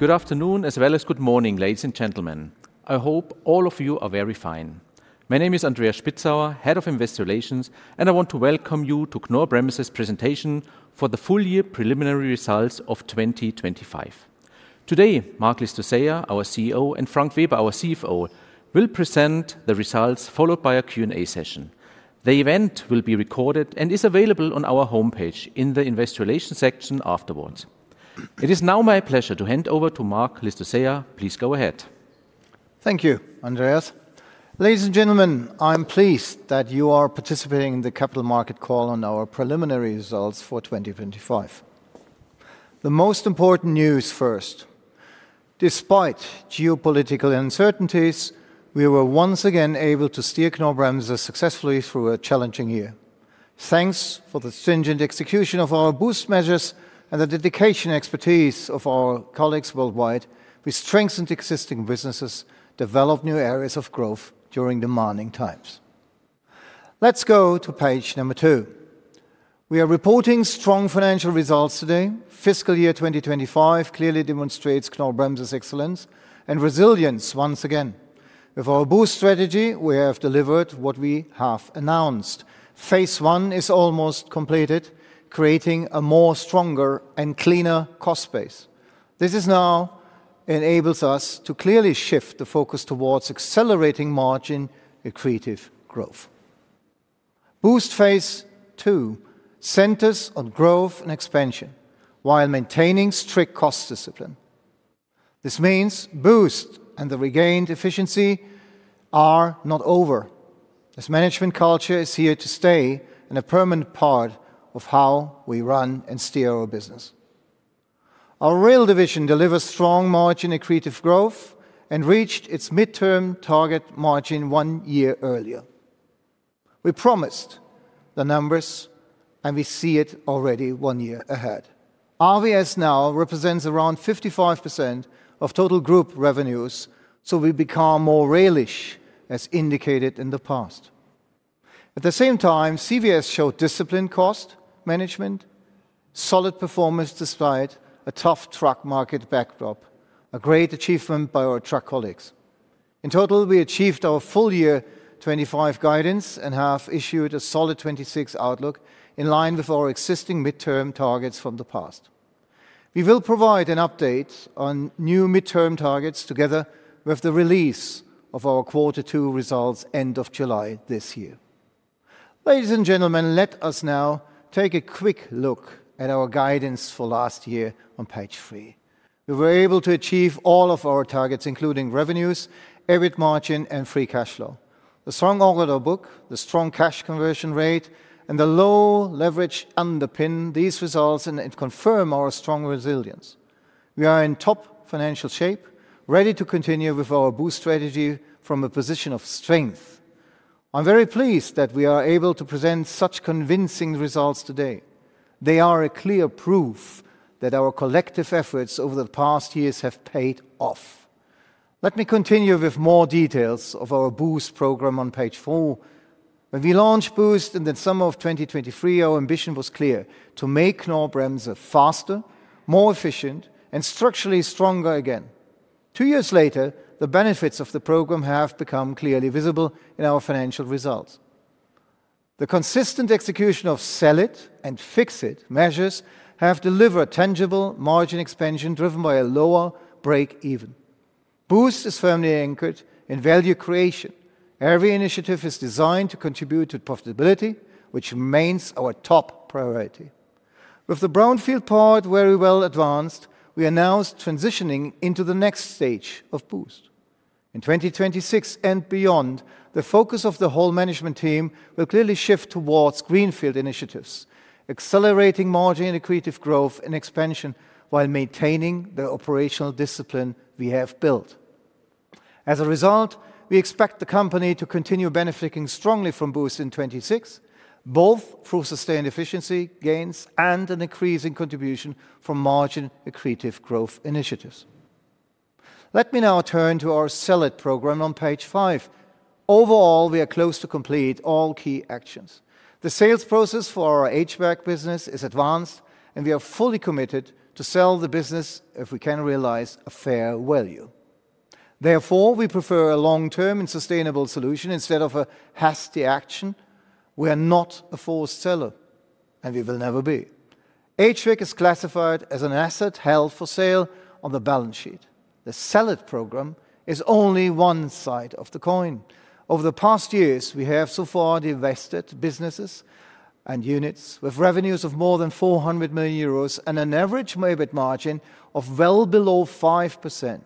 Good afternoon, as well as good morning, ladies and gentlemen. I hope all of you are very fine. My name is Andreas Spitzauer, Head of Investor Relations, and I want to welcome you to Knorr-Bremse's presentation for the Full Year Preliminary Results of 2025. Today, Marc Llistosella, our CEO, and Frank Weber, our CFO, will present the results, followed by a Q&A session. The event will be recorded and is available on our homepage in the Investor Relations section afterwards. It is now my pleasure to hand over to Marc Llistosella. Please go ahead. Thank you, Andreas. Ladies and gentlemen, I'm pleased that you are participating in the Capital Market Call on our preliminary results for 2025. The most important news first. Despite geopolitical uncertainties, we were once again able to steer Knorr-Bremse successfully through a challenging year. Thanks for the stringent execution of our BOOST measures and the dedication expertise of our colleagues worldwide, we strengthened existing businesses, developed new areas of growth during demanding times. Let's go to page two. We are reporting strong financial results today. Fiscal year 2025 clearly demonstrates Knorr-Bremse's excellence and resilience once again. With our BOOST strategy, we have delivered what we have announced. Phase I is almost completed, creating a more stronger and cleaner cost base. This is now enables us to clearly shift the focus towards accelerating margin-accretive growth. BOOST phase II centers on growth and expansion while maintaining strict cost discipline. This means BOOST and the regained efficiency are not over, as management culture is here to stay and a permanent part of how we run and steer our business. Our Rail Division delivers strong margin-accretive growth and reached its midterm target margin one year earlier. We promised the numbers, and we see it already one year ahead. RVS now represents around 55% of total group revenues, so we become more railish, as indicated in the past. At the same time, CVS showed disciplined cost management, solid performance despite a tough truck market backdrop, a great achievement by our truck colleagues. In total, we achieved our full year 2025 guidance and have issued a solid 2026 outlook in line with our existing midterm targets from the past. We will provide an update on new midterm targets together with the release of our quarter two results, end of July this year. Ladies and gentlemen, let us now take a quick look at our guidance for last year on page three. We were able to achieve all of our targets, including revenues, EBIT margin, and free cash flow. The strong order book, the strong cash conversion rate, and the low leverage underpin these results and confirm our strong resilience. We are in top financial shape, ready to continue with our BOOST strategy from a position of strength. I'm very pleased that we are able to present such convincing results today. They are a clear proof that our collective efforts over the past years have paid off. Let me continue with more details of our BOOST program on page four. When we launched BOOST in the summer of 2023, our ambition was clear: to make Knorr-Bremse faster, more efficient, and structurally stronger again. Two years later, the benefits of the program have become clearly visible in our financial results. The consistent execution of Sell-it and Fix-it measures have delivered tangible margin expansion, driven by a lower break-even. BOOST is firmly anchored in value creation. Every initiative is designed to contribute to profitability, which remains our top priority. With the brownfield part very well advanced, we are now transitioning into the next stage of BOOST. In 2026 and beyond, the focus of the whole management team will clearly shift towards Greenfield initiatives, accelerating margin-accretive growth and expansion while maintaining the operational discipline we have built. As a result, we expect the company to continue benefiting strongly from BOOST 2026, both through sustained efficiency gains and an increase in contribution from margin-accretive growth initiatives. Let me now turn to our Sell-it program on page five. Overall, we are close to complete all key actions. The sales process for our HVAC business is advanced, and we are fully committed to sell the business if we can realize a fair value. Therefore, we prefer a long-term and sustainable solution instead of a hasty action. We are not a forced seller, and we will never be. HVAC is classified as an asset held for sale on the balance sheet. The Sell-it program is only one side of the coin. Over the past years, we have so far divested businesses and units with revenues of more than 400 million euros and an average EBIT margin of well below 5%.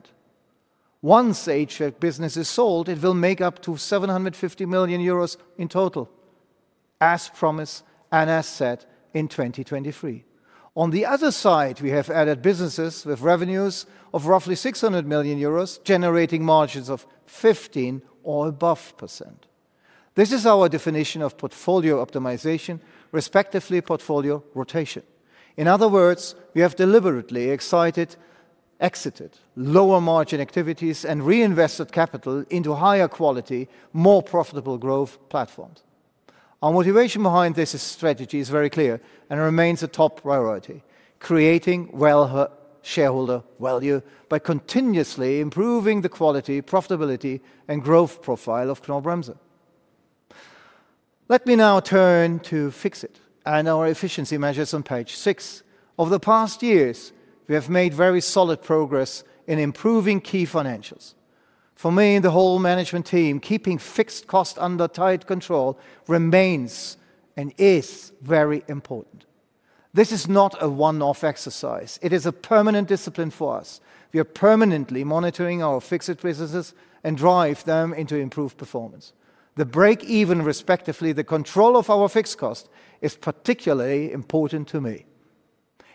Once HVAC business is sold, it will make up to 750 million euros in total, as promised and as said in 2023. On the other side, we have added businesses with revenues of roughly 600 million euros, generating margins of 15% or above. This is our definition of portfolio optimization, respectively, portfolio rotation. In other words, we have deliberately exited, exited lower-margin activities and reinvested capital into higher quality, more profitable growth platforms. Our motivation behind this strategy is very clear and remains a top priority: creating wealth, shareholder value, by continuously improving the quality, profitability, and growth profile of Knorr-Bremse. Let me now turn to Fix-it and our efficiency measures on page six. Over the past years, we have made very solid progress in improving key financials. For me and the whole management team, keeping fixed cost under tight control remains and is very important. This is not a one-off exercise. It is a permanent discipline for us. We are permanently monitoring our fixed businesses and drive them into improved performance. The break-even, respectively, the control of our fixed cost, is particularly important to me.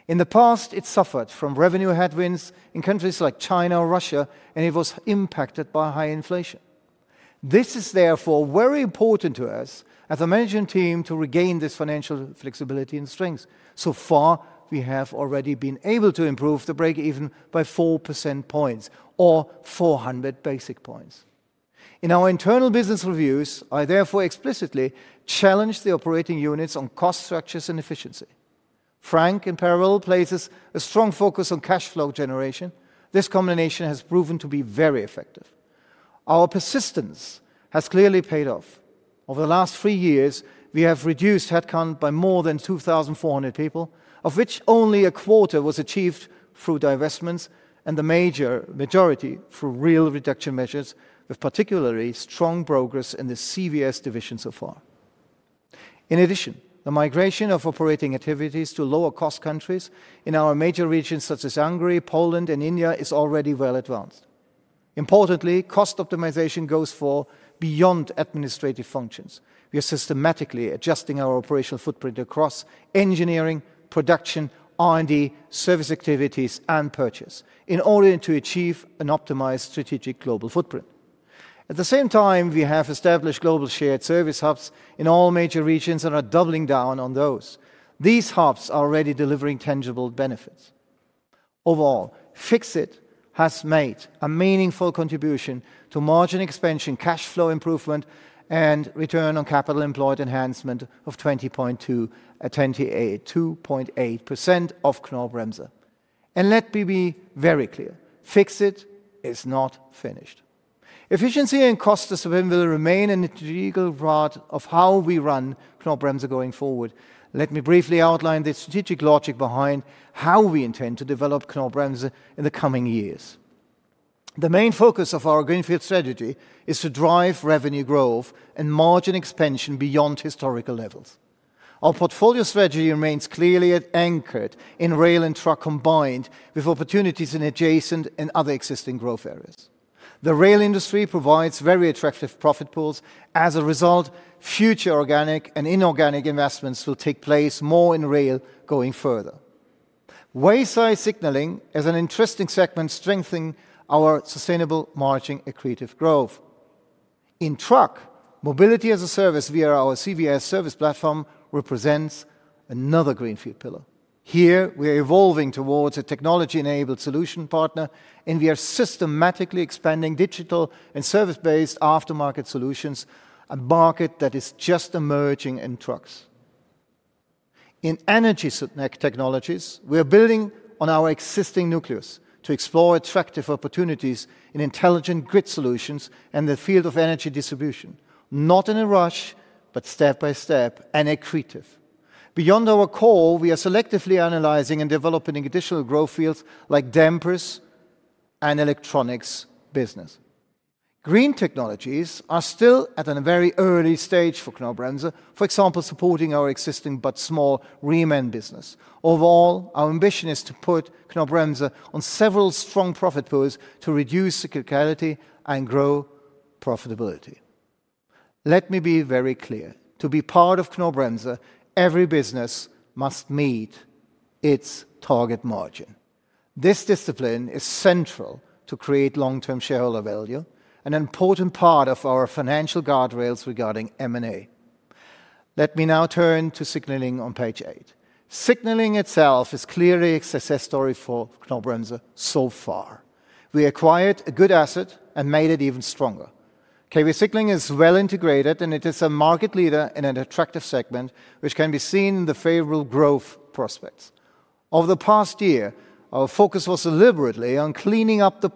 In the past, it suffered from revenue headwinds in countries like China or Russia, and it was impacted by high inflation. This is therefore very important to us as a management team to regain this financial flexibility and strength. So far, we have already been able to improve the break-even by 4 percentage points, or 400 basis points. In our internal business reviews, I therefore explicitly challenge the operating units on cost structures and efficiency. Frank, in parallel, places a strong focus on cash flow generation. This combination has proven to be very effective. Our persistence has clearly paid off. Over the last three years, we have reduced headcount by more than 2,400 people, of which only a quarter was achieved through divestments and the majority through real reduction measures, with particularly strong progress in the CVS division so far. In addition, the migration of operating activities to lower-cost countries in our major regions, such as Hungary, Poland, and India, is already well advanced. Importantly, cost optimization goes far beyond administrative functions. We are systematically adjusting our operational footprint across engineering, production, R&D, service activities, and purchasing in order to achieve an optimized strategic global footprint. At the same time, we have established global shared service hubs in all major regions and are doubling down on those. These hubs are already delivering tangible benefits. Overall, Fix-it has made a meaningful contribution to margin expansion, cash flow improvement, and return on capital employed enhancement of 28.2% of Knorr-Bremse. And let me be very clear, Fix-it is not finished. Efficiency and cost discipline will remain an integral part of how we run Knorr-Bremse going forward. Let me briefly outline the strategic logic behind how we intend to develop Knorr-Bremse in the coming years. The main focus of our Greenfield strategy is to drive revenue growth and margin expansion beyond historical levels. Our portfolio strategy remains clearly anchored in rail and truck, combined with opportunities in adjacent and other existing growth areas. The rail industry provides very attractive profit pools. As a result, future organic and inorganic investments will take place more in rail going forward. Wayside signaling is an interesting segment, strengthening our sustainable margin-accretive growth. In truck, mobility as a service via our CVS service platform represents another Greenfield pillar. Here, we are evolving towards a technology-enabled solution partner, and we are systematically expanding digital and service-based aftermarket solutions, a market that is just emerging in trucks. In energy sub-segment technologies, we are building on our existing nucleus to explore attractive opportunities in intelligent grid solutions and the field of energy distribution. Not in a rush, but step by step and accretive. Beyond our core, we are selectively analyzing and developing additional growth fields like dampers and electronics business. Green technologies are still at a very early stage for Knorr-Bremse. For example, supporting our existing but small reman business. Overall, our ambition is to put Knorr-Bremse on several strong profit pools to reduce cyclicality and grow profitability. Let me be very clear. To be part of Knorr-Bremse, every business must meet its target margin. This discipline is central to create long-term shareholder value, an important part of our financial guardrails regarding M&A. Let me now turn to signaling on page eight. Signaling itself is clearly a success story for Knorr-Bremse so far. We acquired a good asset and made it even stronger. KB Signaling is well integrated, and it is a market leader in an attractive segment, which can be seen in the favorable growth prospects. Over the past year, our focus was deliberately on cleaning up the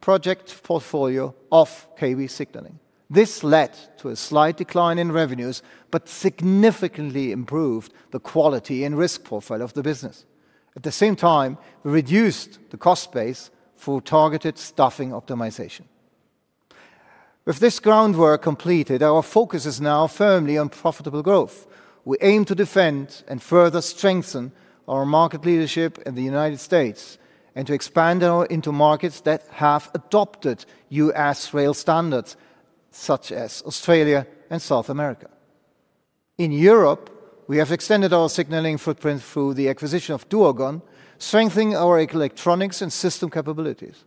project portfolio of KB Signaling. This led to a slight decline in revenues, but significantly improved the quality and risk profile of the business. At the same time, we reduced the cost base through targeted staffing optimization. With this groundwork completed, our focus is now firmly on profitable growth. We aim to defend and further strengthen our market leadership in the United States and to expand our into markets that have adopted U.S. rail standards, such as Australia and South America. In Europe, we have extended our signaling footprint through the acquisition of Duagon, strengthening our electronics and system capabilities.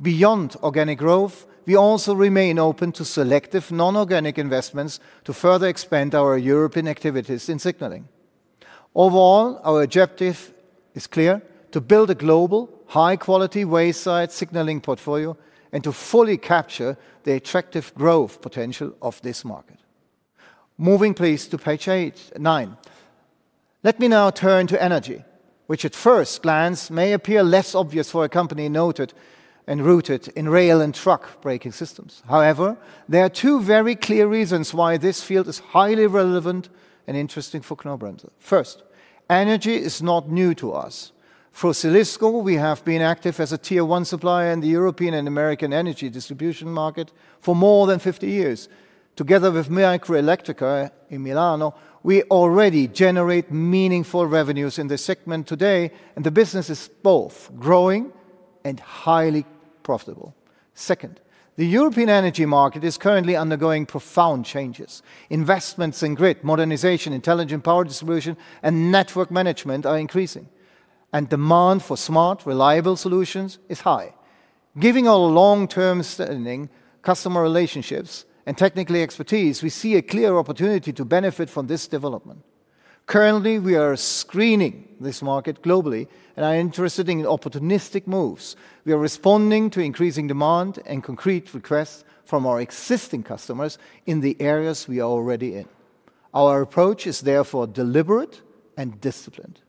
Beyond organic growth, we also remain open to selective non-organic investments to further expand our European activities in signaling. Overall, our objective is clear: to build a global, high-quality wayside signaling portfolio and to fully capture the attractive growth potential of this market. Moving, please, to page eight, nine. Let me now turn to energy, which at first glance may appear less obvious for a company noted and rooted in rail and truck braking systems. However, there are two very clear reasons why this field is highly relevant and interesting for Knorr-Bremse. First, energy is not new to us. For Zelisko, we have been active as a tier one supplier in the European and American energy distribution market for more than 50 years. Together with Microelettrica in Milan, we already generate meaningful revenues in this segment today, and the business is both growing and highly profitable. Second, the European energy market is currently undergoing profound changes. Investments in grid modernization, intelligent power distribution, and network management are increasing, and demand for smart, reliable solutions is high. Given our long-term standing customer relationships and technical expertise, we see a clear opportunity to benefit from this development. Currently, we are screening this market globally and are interested in opportunistic moves. We are responding to increasing demand and concrete requests from our existing customers in the areas we are already in. Our approach is therefore deliberate and disciplined.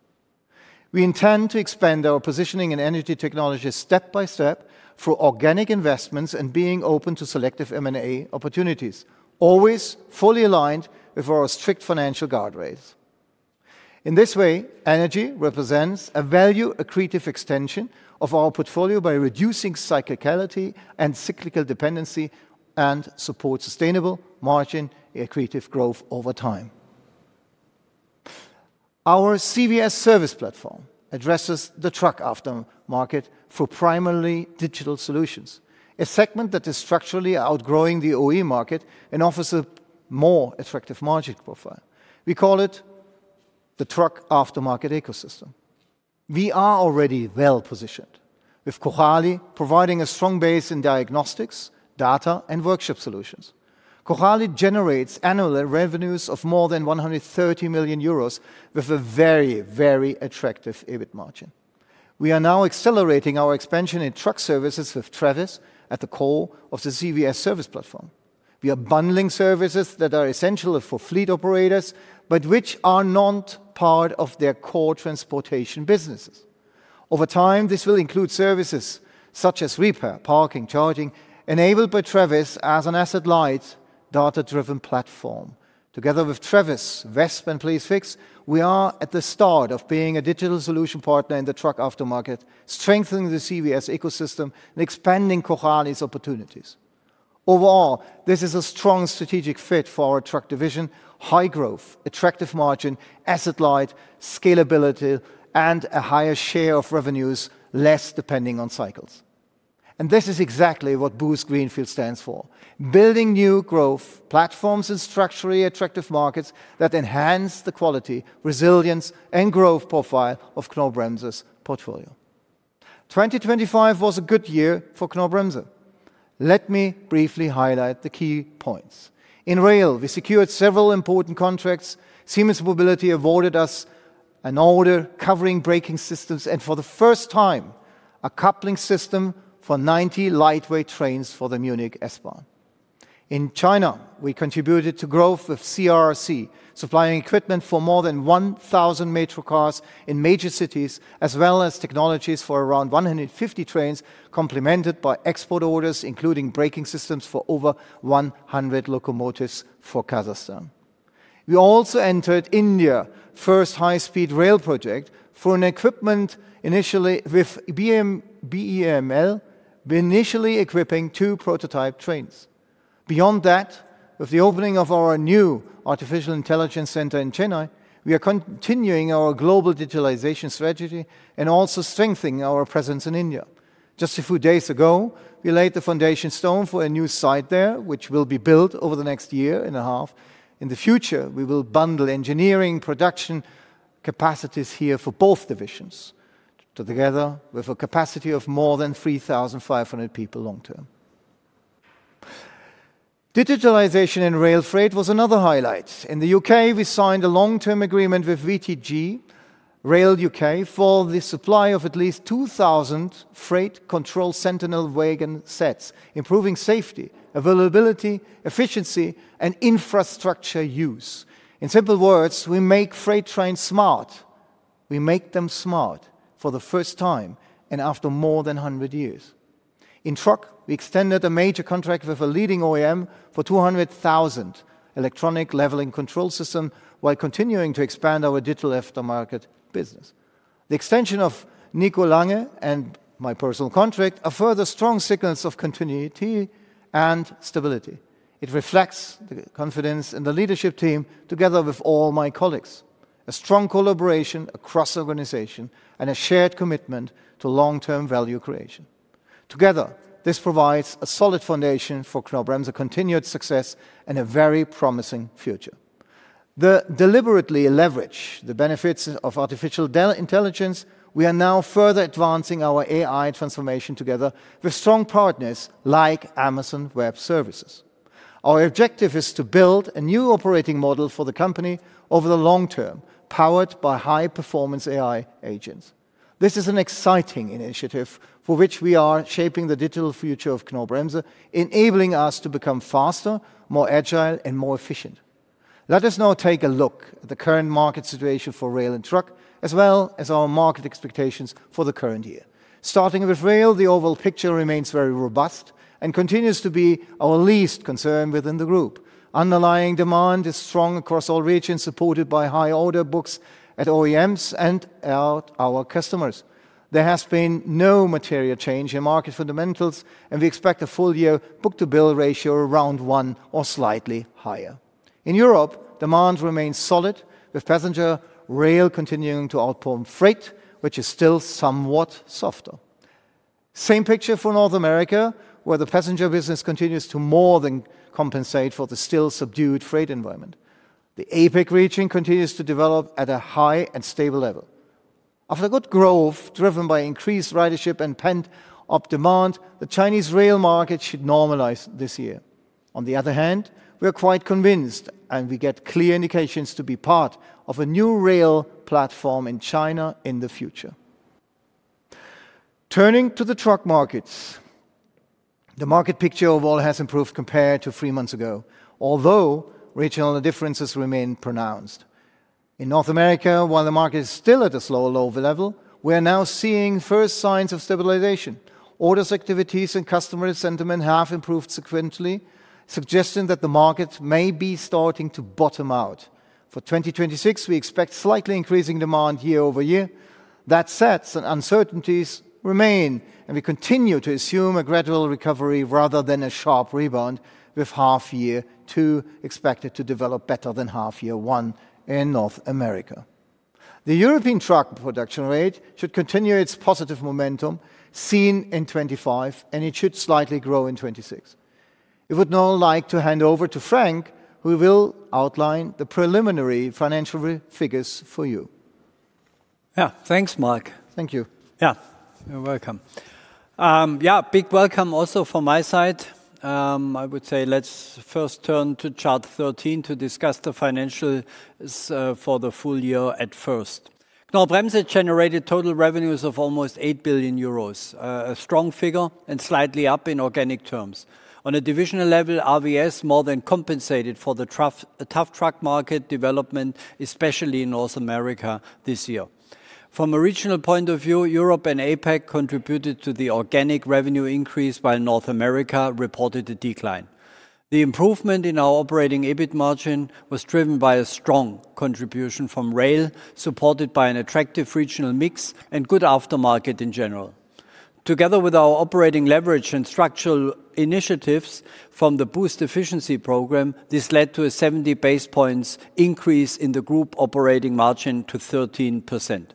We intend to expand our positioning in energy technologies step by step through organic investments and being open to selective M&A opportunities, always fully aligned with our strict financial guardrails. In this way, energy represents a value-accretive extension of our portfolio by reducing cyclicality and cyclical dependency and support sustainable margin and accretive growth over time. Our CVS service platform addresses the truck aftermarket for primarily digital solutions, a segment that is structurally outgrowing the OE market and offers a more attractive margin profile. We call it the truck aftermarket ecosystem. We are already well-positioned, with Cojali providing a strong base in diagnostics, data, and workshop solutions. Cojali generates annual revenues of more than 130 million euros with a very, very attractive EBIT margin. We are now accelerating our expansion in truck services with Travis at the core of the CVS service platform. We are bundling services that are essential for fleet operators, but which are not part of their core transportation businesses. Over time, this will include services such as repair, parking, charging, enabled by Travis as an asset-light, data-driven platform. Together with Travis, VESP, and PleaseFix, we are at the start of being a digital solution partner in the truck aftermarket, strengthening the CVS ecosystem and expanding Cojali's opportunities. Overall, this is a strong strategic fit for our truck division, high growth, attractive margin, asset light, scalability, and a higher share of revenues, less depending on cycles. This is exactly what BOOST Greenfield stands for, building new growth platforms in structurally attractive markets that enhance the quality, resilience, and growth profile of Knorr-Bremse's portfolio. 2025 was a good year for Knorr-Bremse. Let me briefly highlight the key points. In rail, we secured several important contracts. Siemens Mobility awarded us an order covering braking systems, and for the first time, a coupling system for 90 lightweight trains for the Munich S-Bahn. In China, we contributed to growth with CRRC, supplying equipment for more than 1,000 metro cars in major cities, as well as technologies for around 150 trains, complemented by export orders, including braking systems for over 100 locomotives for Kazakhstan. We also entered India's first high-speed rail project for equipment initially with BEML, we initially equipping two prototype trains. Beyond that, with the opening of our new artificial intelligence center in Chennai, we are continuing our global digitalization strategy and also strengthening our presence in India. Just a few days ago, we laid the foundation stone for a new site there, which will be built over the next year and a half. In the future, we will bundle engineering production capacities here for both divisions, together with a capacity of more than 3,500 people long term. Digitalization in rail freight was another highlight. In the U.K., we signed a long-term agreement with VTG Rail U.K. for the supply of at least 2,000 FreightControl Sentinel wagon sets, improving safety, availability, efficiency, and infrastructure use. In simple words, we make freight trains smart. We make them smart for the first time and after more than 100 years. In truck, we extended a major contract with a leading OEM for 200,000 electronic leveling control system, while continuing to expand our digital aftermarket business. The extension of Nicolas Lange and my personal contract, a further strong sequence of continuity and stability. It reflects the confidence in the leadership team, together with all my colleagues. A strong collaboration across the organization and a shared commitment to long-term value creation. Together, this provides a solid foundation for Knorr-Bremse continued success and a very promising future. To deliberately leverage the benefits of artificial intelligence, we are now further advancing our AI transformation together with strong partners like Amazon Web Services. Our objective is to build a new operating model for the company over the long term, powered by high-performance AI agents. This is an exciting initiative for which we are shaping the digital future of Knorr-Bremse, enabling us to become faster, more agile, and more efficient. Let us now take a look at the current market situation for rail and truck, as well as our market expectations for the current year. Starting with rail, the overall picture remains very robust and continues to be our least concern within the group. Underlying demand is strong across all regions, supported by high order books at OEMs and at our customers. There has been no material change in market fundamentals, and we expect a full year book-to-bill ratio around one or slightly higher. In Europe, demand remains solid, with passenger rail continuing to outperform freight, which is still somewhat softer. Same picture for North America, where the passenger business continues to more than compensate for the still subdued freight environment. The APAC region continues to develop at a high and stable level. After good growth, driven by increased ridership and pent-up demand, the Chinese rail market should normalize this year. On the other hand, we are quite convinced, and we get clear indications to be part of a new rail platform in China in the future. Turning to the truck markets, the market picture overall has improved compared to three months ago, although regional differences remain pronounced. In North America, while the market is still at a slower, lower level, we are now seeing first signs of stabilization. Orders, activities, and customer sentiment have improved sequentially, suggesting that the market may be starting to bottom out. For 2026, we expect slightly increasing demand year over year. That said, some uncertainties remain, and we continue to assume a gradual recovery rather than a sharp rebound, with half year two expected to develop better than half year one in North America. The European truck production rate should continue its positive momentum, seen in 2025, and it should slightly grow in 2026. I would now like to hand over to Frank, who will outline the preliminary financial key figures for you. Yeah. Thanks, Marc. Thank you. Yeah, you're welcome. Yeah, big welcome also from my side. I would say let's first turn to chart 13 to discuss the financials for the full year at first. Knorr-Bremse generated total revenues of almost 8 billion euros, a strong figure and slightly up in organic terms. On a divisional level, RVS more than compensated for the tough truck market development, especially in North America this year. From a regional point of view, Europe and APAC contributed to the organic revenue increase, while North America reported a decline. The improvement in our operating EBIT margin was driven by a strong contribution from rail, supported by an attractive regional mix and good aftermarket in general. Together with our operating leverage and structural initiatives from the BOOST Efficiency program, this led to a 70 basis points increase in the group operating margin to 13%.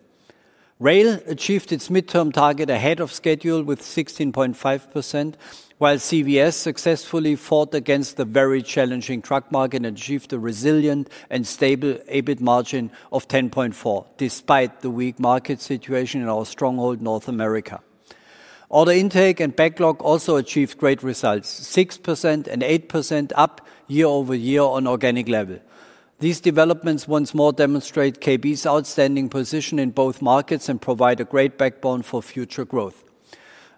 Rail achieved its midterm target ahead of schedule with 16.5%, while CVS successfully fought against the very challenging truck market and achieved a resilient and stable EBIT margin of 10.4%, despite the weak market situation in our stronghold, North America. Order intake and backlog also achieved great results, 6% and 8% up year-over-year on organic level. These developments once more demonstrate KB's outstanding position in both markets and provide a great backbone for future growth.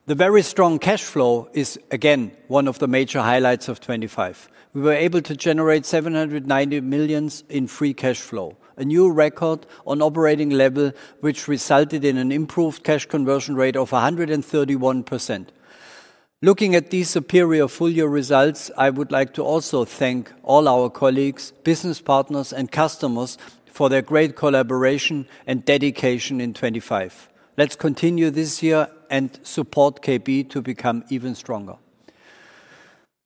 The very strong cash flow is, again, one of the major highlights of 2025. We were able to generate 790 million in free cash flow, a new record on operating level, which resulted in an improved cash conversion rate of 131%. Looking at these superior full-year results, I would like to also thank all our colleagues, business partners, and customers for their great collaboration and dedication in 2025. Let's continue this year and support KB to become even stronger.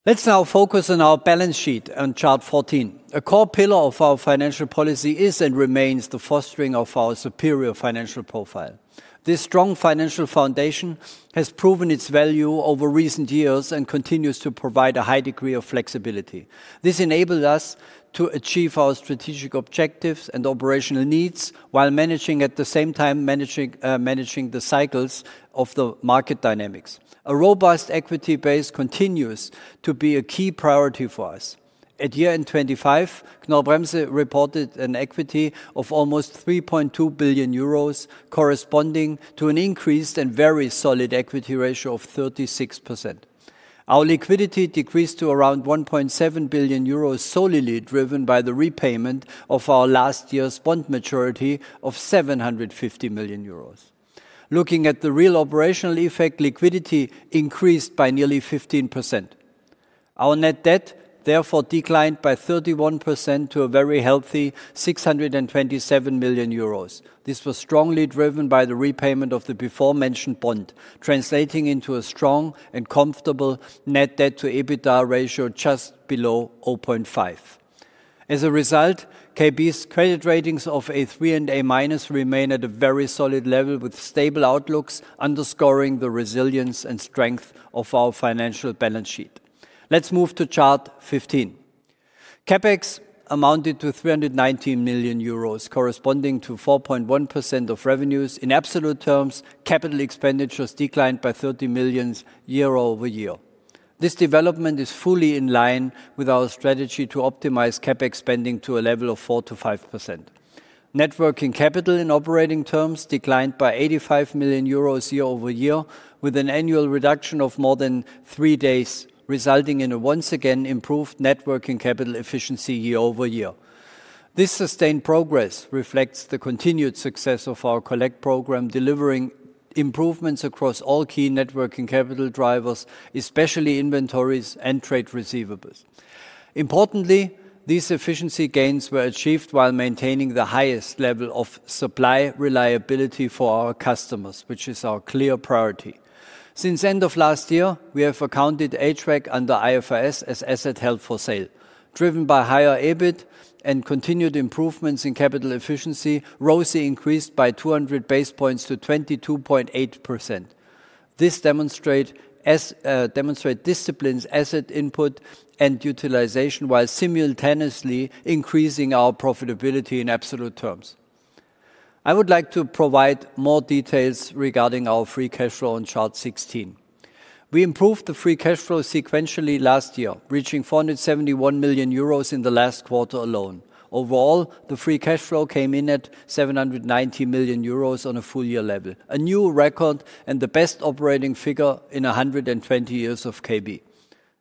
Let's now focus on our balance sheet on chart 14. A core pillar of our financial policy is and remains the fostering of our superior financial profile. This strong financial foundation has proven its value over recent years and continues to provide a high degree of flexibility. This enabled us to achieve our strategic objectives and operational needs while managing at the same time the cycles of the market dynamics. A robust equity base continues to be a key priority for us. At year-end 2025, Knorr-Bremse reported an equity of almost 3.2 billion euros, corresponding to an increased and very solid equity ratio of 36%. Our liquidity decreased to around 1.7 billion euros, solely driven by the repayment of our last year's bond maturity of 750 million euros. Looking at the real operational effect, liquidity increased by nearly 15%. Our net debt therefore declined by 31% to a very healthy 627 million euros. This was strongly driven by the repayment of the beforementioned bond, translating into a strong and comfortable net debt to EBITDA ratio just below 0.5. As a result, KB's credit ratings of A3 and A- remain at a very solid level, with stable outlooks underscoring the resilience and strength of our financial balance sheet. Let's move to chart 15. CapEx amounted to 319 million euros, corresponding to 4.1% of revenues. In absolute terms, capital expenditures declined by 30 million year-over-year. This development is fully in line with our strategy to optimize CapEx spending to a level of 4%-5%. Net working capital in operating terms declined by 85 million euros year-over-year, with an annual reduction of more than three days, resulting in a once again improved net working capital efficiency year-over-year. This sustained progress reflects the continued success of our Collect program, delivering improvements across all key net working capital drivers, especially inventories and trade receivables. Importantly, these efficiency gains were achieved while maintaining the highest level of supply reliability for our customers, which is our clear priority. Since end of last year, we have accounted HVAC under IFRS as asset held for sale. Driven by higher EBIT and continued improvements in capital efficiency, ROCE increased by 200 basis points to 22.8%. This demonstrates discipline, asset input, and utilization, while simultaneously increasing our profitability in absolute terms. I would like to provide more details regarding our Free Cash Flow on chart 16. We improved the Free Cash Flow sequentially last year, reaching 471 million euros in the last quarter alone. Overall, the Free Cash Flow came in at 790 million euros on a full year level, a new record and the best operating figure in 120 years of KB.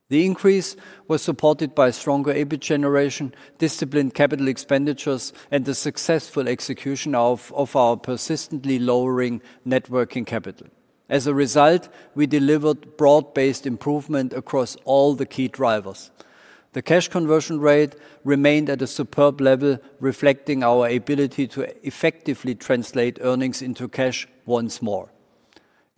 The increase was supported by stronger EBIT generation, disciplined capital expenditures, and the successful execution of our persistently lowering Net Working Capital. As a result, we delivered broad-based improvement across all the key drivers. The cash conversion rate remained at a superb level, reflecting our ability to effectively translate earnings into cash once more.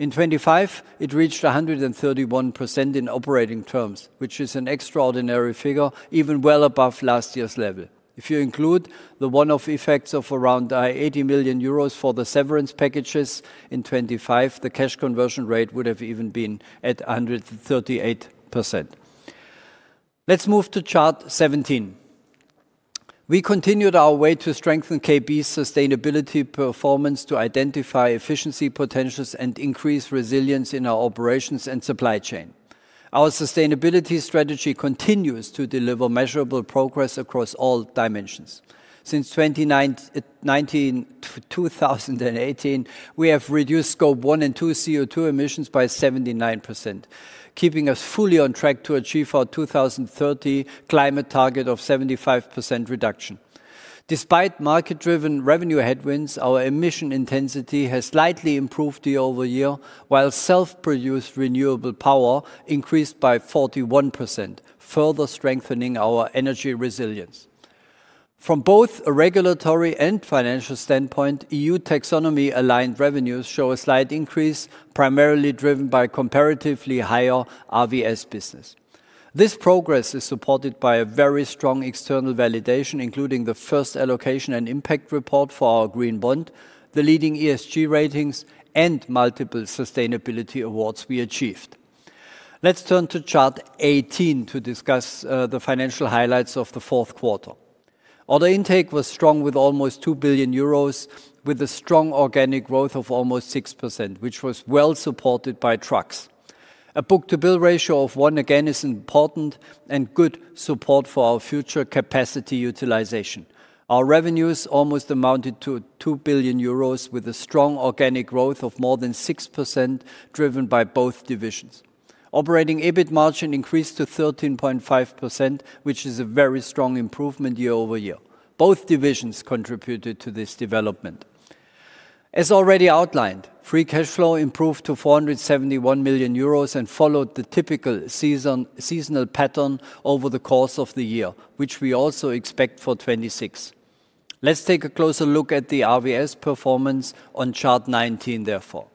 In 2025, it reached 131% in operating terms, which is an extraordinary figure, even well above last year's level. If you include the one-off effects of around 80 million euros for the severance packages in 2025, the cash conversion rate would have even been at 138%. Let's move to chart 17. We continued our way to strengthen KB's sustainability performance to identify efficiency potentials and increase resilience in our operations and supply chain. Our sustainability strategy continues to deliver measurable progress across all dimensions. Since 2019 to 2018, we have reduced Scope One and Two CO2 emissions by 79%, keeping us fully on track to achieve our 2030 climate target of 75% reduction. Despite market-driven revenue headwinds, our emission intensity has slightly improved year-over-year, while self-produced renewable power increased by 41%, further strengthening our energy resilience. From both a regulatory and financial standpoint, EU Taxonomy-aligned revenues show a slight increase, primarily driven by comparatively higher RVS business. This progress is supported by a very strong external validation, including the first allocation and impact report for our green bond, the leading ESG ratings, and multiple sustainability awards we achieved. Let's turn to chart 18 to discuss the financial highlights of the fourth quarter. Order intake was strong with almost 2 billion euros, with a strong organic growth of almost 6%, which was well supported by trucks. A book-to-bill ratio of one, again, is important and good support for our future capacity utilization. Our revenues almost amounted to 2 billion euros, with a strong organic growth of more than 6%, driven by both divisions. Operating EBIT margin increased to 13.5%, which is a very strong improvement year-over-year. Both divisions contributed to this development. As already outlined, free cash flow improved to 471 million euros and followed the typical seasonal pattern over the course of the year, which we also expect for 2026. Let's take a closer look at the RVS performance on chart 19, therefore.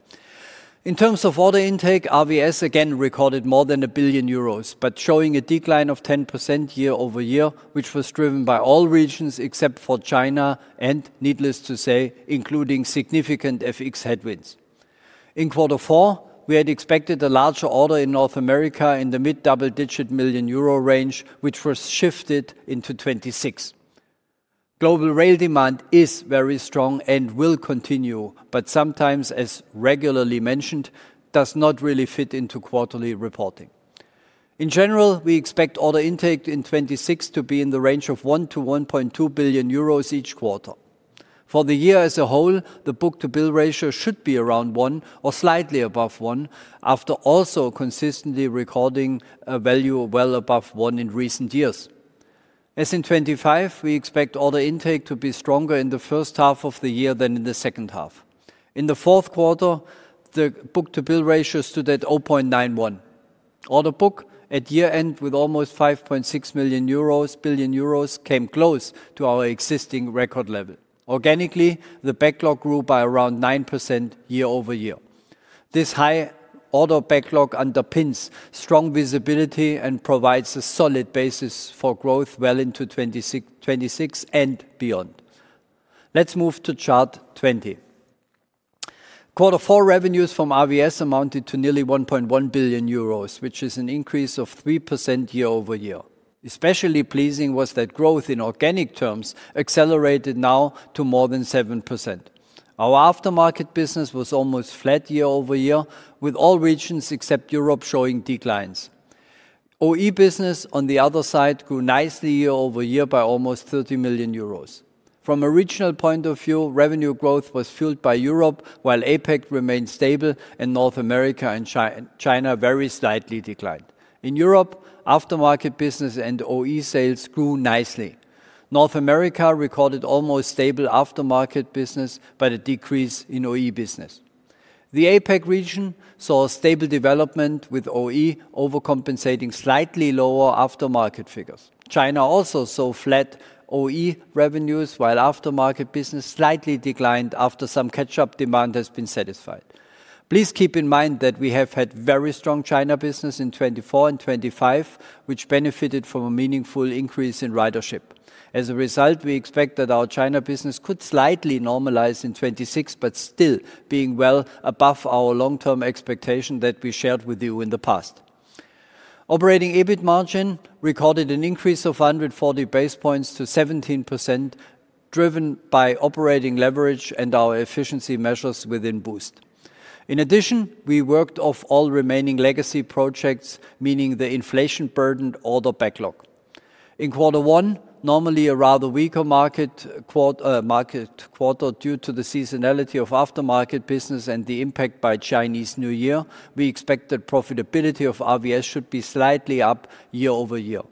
In terms of order intake, RVS again recorded more than 1 billion euros, but showing a decline of 10% year-over-year, which was driven by all regions except for China and, needless to say, including significant FX headwinds. In quarter four, we had expected a larger order in North America in the mid-double-digit million Euro range, which was shifted into 2026. Global rail demand is very strong and will continue, but sometimes, as regularly mentioned, does not really fit into quarterly reporting. In general, we expect order intake in 2026 to be in the range of 1 billion- 1.2 billion euros each quarter. For the year as a whole, the Book-to-Bill Ratio should be around one or slightly above one, after also consistently recording a value well above one in recent years. As in 2025, we expect order intake to be stronger in the first half of the year than in the second half. In the fourth quarter, the Book-to-Bill Ratio stood at 0.91. Order book at year-end, with almost 5.6 billion euros, came close to our existing record level. Organically, the backlog grew by around 9% year over year. This high order backlog underpins strong visibility and provides a solid basis for growth well into 2026, 2026 and beyond. Let's move to chart 20. Quarter four revenues from RVS amounted to nearly 1.1 billion euros, which is an increase of 3% year over year. Especially pleasing was that growth in organic terms accelerated now to more than 7%. Our aftermarket business was almost flat year-over-year, with all regions except Europe showing declines. OE business, on the other side, grew nicely year-over-year by almost 30 million euros. From a regional point of view, revenue growth was fueled by Europe, while APAC remained stable, and North America and China very slightly declined. In Europe, aftermarket business and OE sales grew nicely. North America recorded almost stable aftermarket business, but a decrease in OE business. The APAC region saw a stable development, with OE overcompensating slightly lower aftermarket figures. China also saw flat OE revenues, while aftermarket business slightly declined after some catch-up demand has been satisfied. Please keep in mind that we have had very strong China business in 2024 and 2025, which benefited from a meaningful increase in ridership. As a result, we expect that our China business could slightly normalize in 2026, but still being well above our long-term expectation that we shared with you in the past. Operating EBIT margin recorded an increase of 140 basis points to 17%, driven by operating leverage and our efficiency measures within BOOST. In addition, we worked off all remaining legacy projects, meaning the inflation-burdened order backlog. In quarter one, normally a rather weaker market quarter due to the seasonality of aftermarket business and the impact by Chinese New Year, we expect that profitability of RVS should be slightly up year-over-year.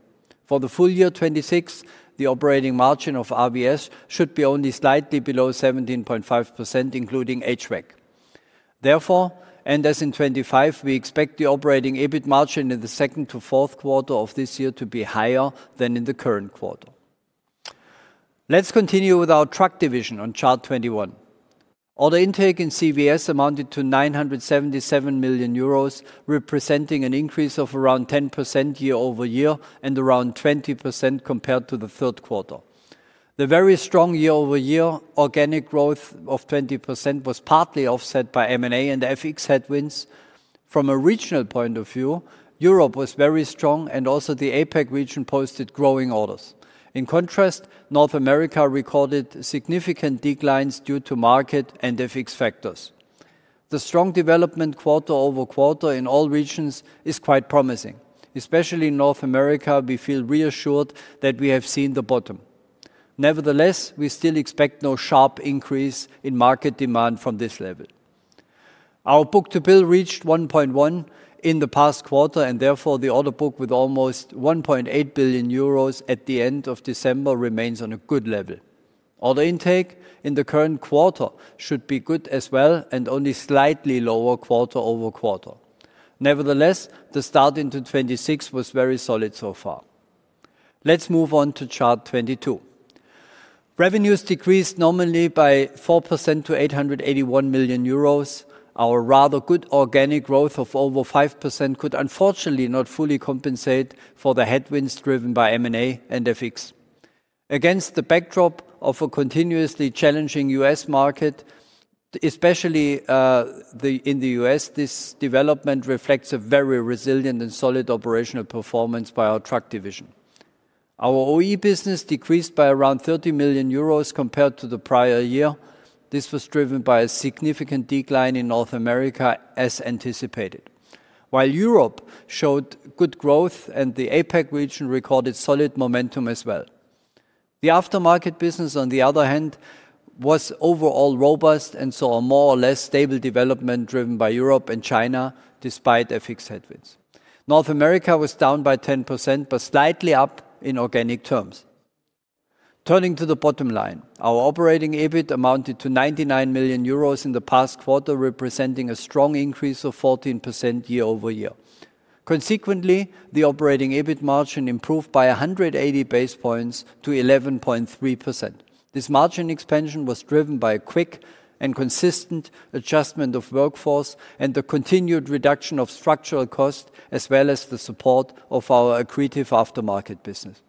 For the full year 2026, the operating margin of RVS should be only slightly below 17.5%, including HVAC. Therefore, and as in 2025, we expect the operating EBIT margin in the second to fourth quarter of this year to be higher than in the current quarter. Let's continue with our truck division on chart 21. Order intake in CVS amounted to 977 million euros, representing an increase of around 10% year-over-year and around 20% compared to the third quarter. The very strong year-over-year organic growth of 20% was partly offset by M&A and FX headwinds. From a regional point of view, Europe was very strong, and also the APAC region posted growing orders. In contrast, North America recorded significant declines due to market and FX factors. The strong development quarter-over-quarter in all regions is quite promising. Especially in North America, we feel reassured that we have seen the bottom. Nevertheless, we still expect no sharp increase in market demand from this level. Our book-to-bill reached 1.1 in the past quarter, and therefore, the order book, with almost 1.8 billion euros at the end of December, remains on a good level. Order intake in the current quarter should be good as well and only slightly lower quarter-over-quarter. Nevertheless, the start into 2026 was very solid so far. Let's move on to chart 22. Revenues decreased nominally by 4% to 881 million euros. Our rather good organic growth of over 5% could unfortunately not fully compensate for the headwinds driven by M&A and FX. Against the backdrop of a continuously challenging U.S. market, especially in the U.S., this development reflects a very resilient and solid operational performance by our truck division. Our OE business decreased by around 30 million euros compared to the prior year. This was driven by a significant decline in North America, as anticipated. While Europe showed good growth and the APAC region recorded solid momentum as well. The aftermarket business, on the other hand, was overall robust and saw a more or less stable development driven by Europe and China, despite FX headwinds. North America was down by 10%, but slightly up in organic terms. Turning to the bottom line, our operating EBIT amounted to 99 million euros in the past quarter, representing a strong increase of 14% year-over-year. Consequently, the operating EBIT margin improved by 180 basis points to 11.3%. This margin expansion was driven by a quick and consistent adjustment of workforce and the continued reduction of structural cost, as well as the support of our accretive aftermarket business.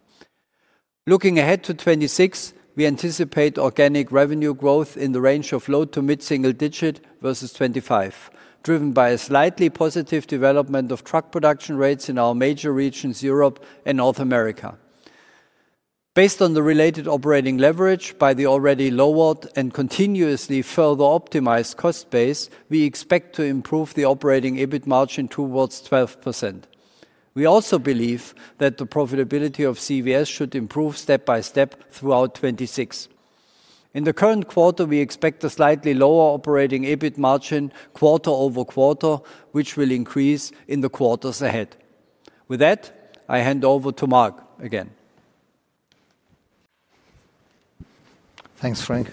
Looking ahead to 2026, we anticipate organic revenue growth in the range of low- to mid-single-digit versus 2025, driven by a slightly positive development of truck production rates in our major regions, Europe and North America. Based on the related operating leverage by the already lowered and continuously further optimized cost base, we expect to improve the operating EBIT margin towards 12%. We also believe that the profitability of CVS should improve step by step throughout 2026. In the current quarter, we expect a slightly lower operating EBIT margin quarter-over-quarter, which will increase in the quarters ahead. With that, I hand over to Mark again. Thanks, Frank.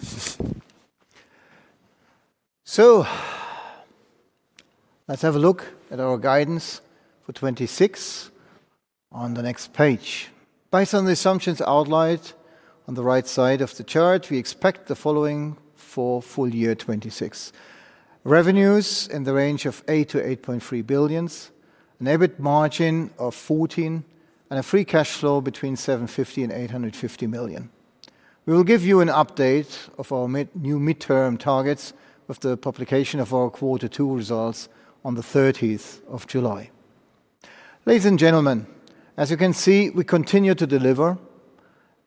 So let's have a look at our guidance for 2026 on the next page. Based on the assumptions outlined on the right side of the chart, we expect the following for full year 2026: revenues in the range of 8 billion-8.3 billion, an EBIT margin of 14%, and a free cash flow between 750 million and 850 million. We will give you an update of our new midterm targets with the publication of our Q2 results on the thirtieth of July. Ladies and gentlemen, as you can see, we continue to deliver,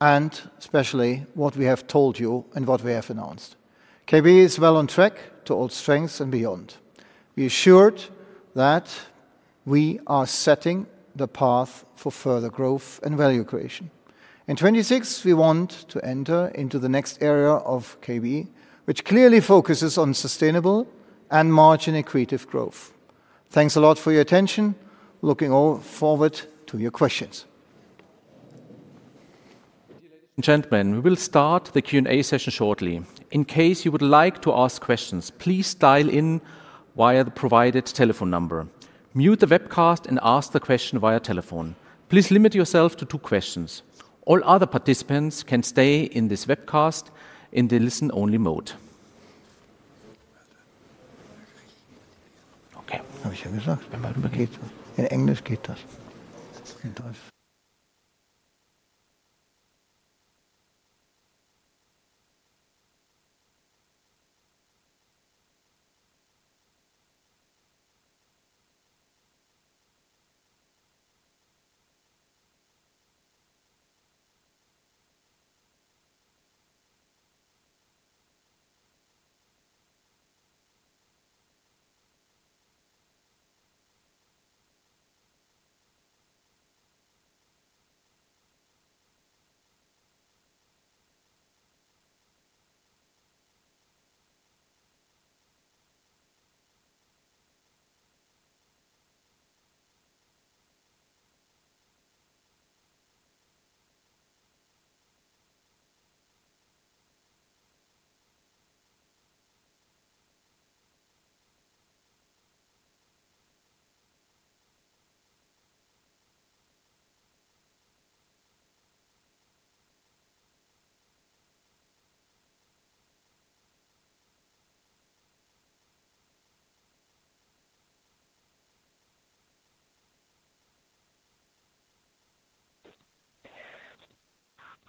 and especially what we have told you and what we have announced. KB is well on track to hold strengths and beyond. Be assured that we are setting the path for further growth and value creation. In 2026, we want to enter into the next area of KB, which clearly focuses on sustainable and margin-accretive growth. Thanks a lot for your attention. Looking all forward to your questions. Gentlemen, we will start the Q&A session shortly. In case you would like to ask questions, please dial in via the provided telephone number. Mute the webcast and ask the question via telephone. Please limit yourself to two questions. All other participants can stay in this webcast in the listen-only mode. Okay.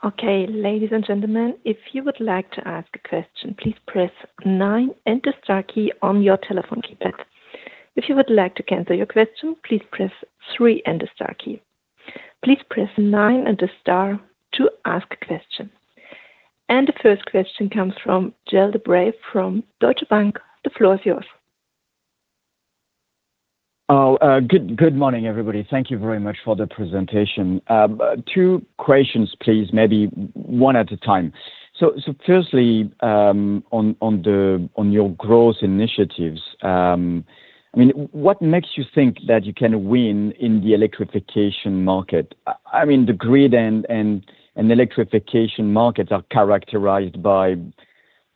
Okay, ladies and gentlemen, if you would like to ask a question, please press nine and the star key on your telephone keypad. If you would like to cancel your question, please press three and the star key. Please press nine and the star to ask a question. And the first question comes from Gael de Bray from Deutsche Bank. The floor is yours. Oh, good morning, everybody. Thank you very much for the presentation. Two questions, please, maybe one at a time. So firstly, on your growth initiatives, I mean, what makes you think that you can win in the electrification market? I mean, the grid and electrification markets are characterized by, you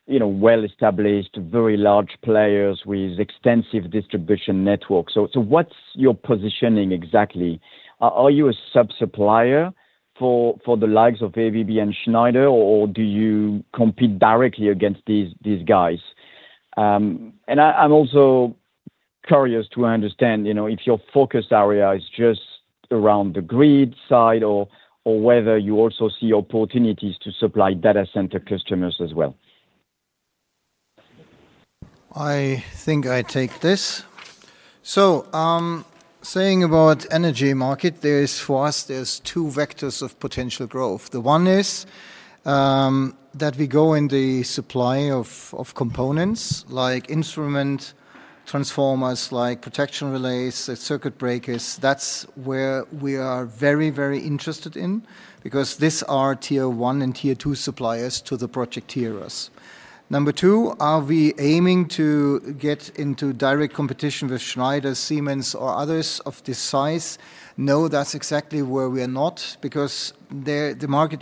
know, well-established, very large players with extensive distribution networks. So what's your positioning exactly? Are you a sub-supplier for the likes of ABB and Schneider, or do you compete directly against these guys? And I'm also curious to understand, you know, if your focus area is just around the grid side or whether you also see opportunities to supply data center customers as well. I think I take this. So, saying about energy market, there is, for us, there's two vectors of potential growth. The one is, that we go in the supply of components like instrument transformers, like protection relays and circuit breakers. That's where we are very, very interested in, because these are tier one and tier two suppliers to the project tiers. Number two, are we aiming to get into direct competition with Schneider, Siemens or others of this size? No, that's exactly where we are not, because the market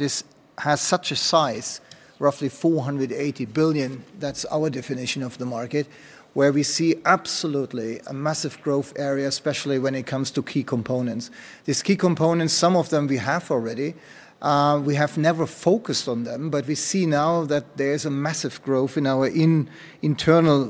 has such a size, roughly 480 billion, that's our definition of the market, where we see absolutely a massive growth area, especially when it comes to key components. These key components, some of them we have already. We have never focused on them, but we see now that there is a massive growth in our internal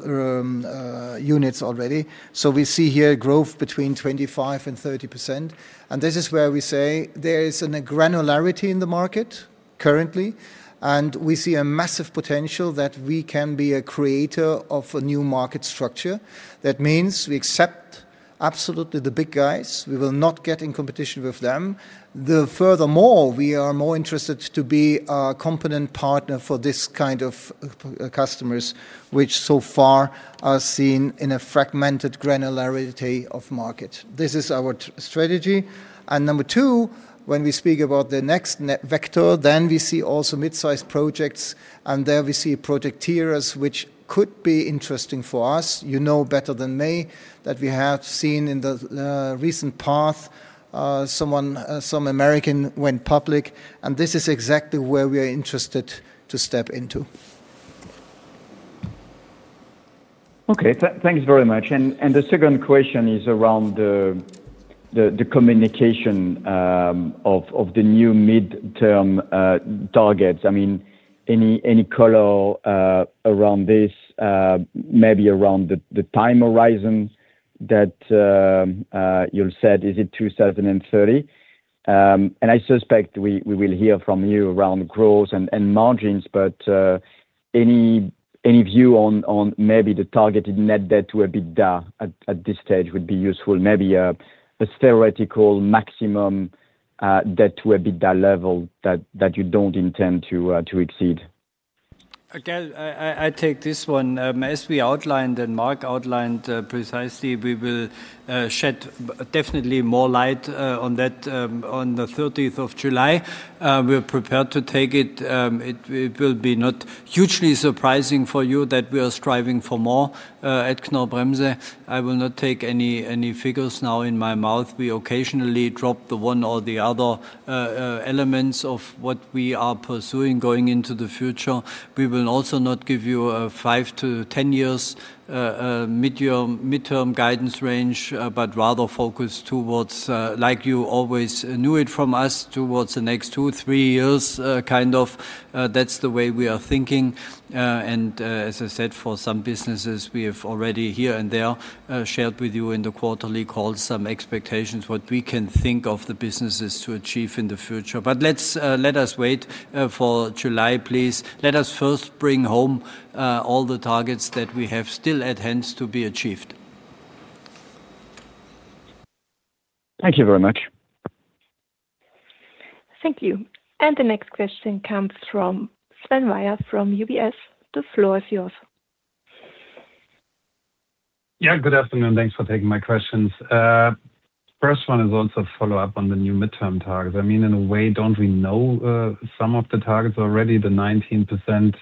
units already. So we see here growth between 25%-30%, and this is where we say there is a granularity in the market currently, and we see a massive potential that we can be a creator of a new market structure. That means we accept absolutely the big guys. We will not get in competition with them. Furthermore, we are more interested to be a competent partner for this kind of customers, which so far are seen in a fragmented granularity of market. This is our strategy. And number two, when we speak about the next net vector, then we see also mid-sized projects, and there we see project tiers which could be interesting for us. You know better than me that we have seen in the recent path, someone, some American went public, and this is exactly where we are interested to step into. Okay. Thank you very much. And the second question is around the communication of the new midterm targets. I mean, any color around this, maybe around the time horizon that you said, is it 2030? And I suspect we will hear from you around growth and margins, but any view on maybe the targeted net debt to EBITDA at this stage would be useful. Maybe a theoretical maximum debt to EBITDA level that you don't intend to exceed. Again, I take this one. As we outlined and Mark outlined precisely, we will shed definitely more light on that on the thirteenth of July. We're prepared to take it. It will be not hugely surprising for you that we are striving for more at Knorr-Bremse. I will not take any figures now in my mouth. We occasionally drop the one or the other elements of what we are pursuing going into the future. We will also not give you a five-ten years midterm guidance range, but rather focus towards, like you always knew it from us, towards the next two-three years, kind of, that's the way we are thinking. As I said, for some businesses, we have already here and there shared with you in the quarterly call some expectations, what we can think of the businesses to achieve in the future. But let's let us wait for July, please. Let us first bring home all the targets that we have still at hand to be achieved. Thank you very much. Thank you. The next question comes from Sven Weier from UBS. The floor is yours. Yeah, good afternoon, thanks for taking my questions. First one is also a follow-up on the new midterm targets. I mean, in a way, don't we know some of the targets already, the 19%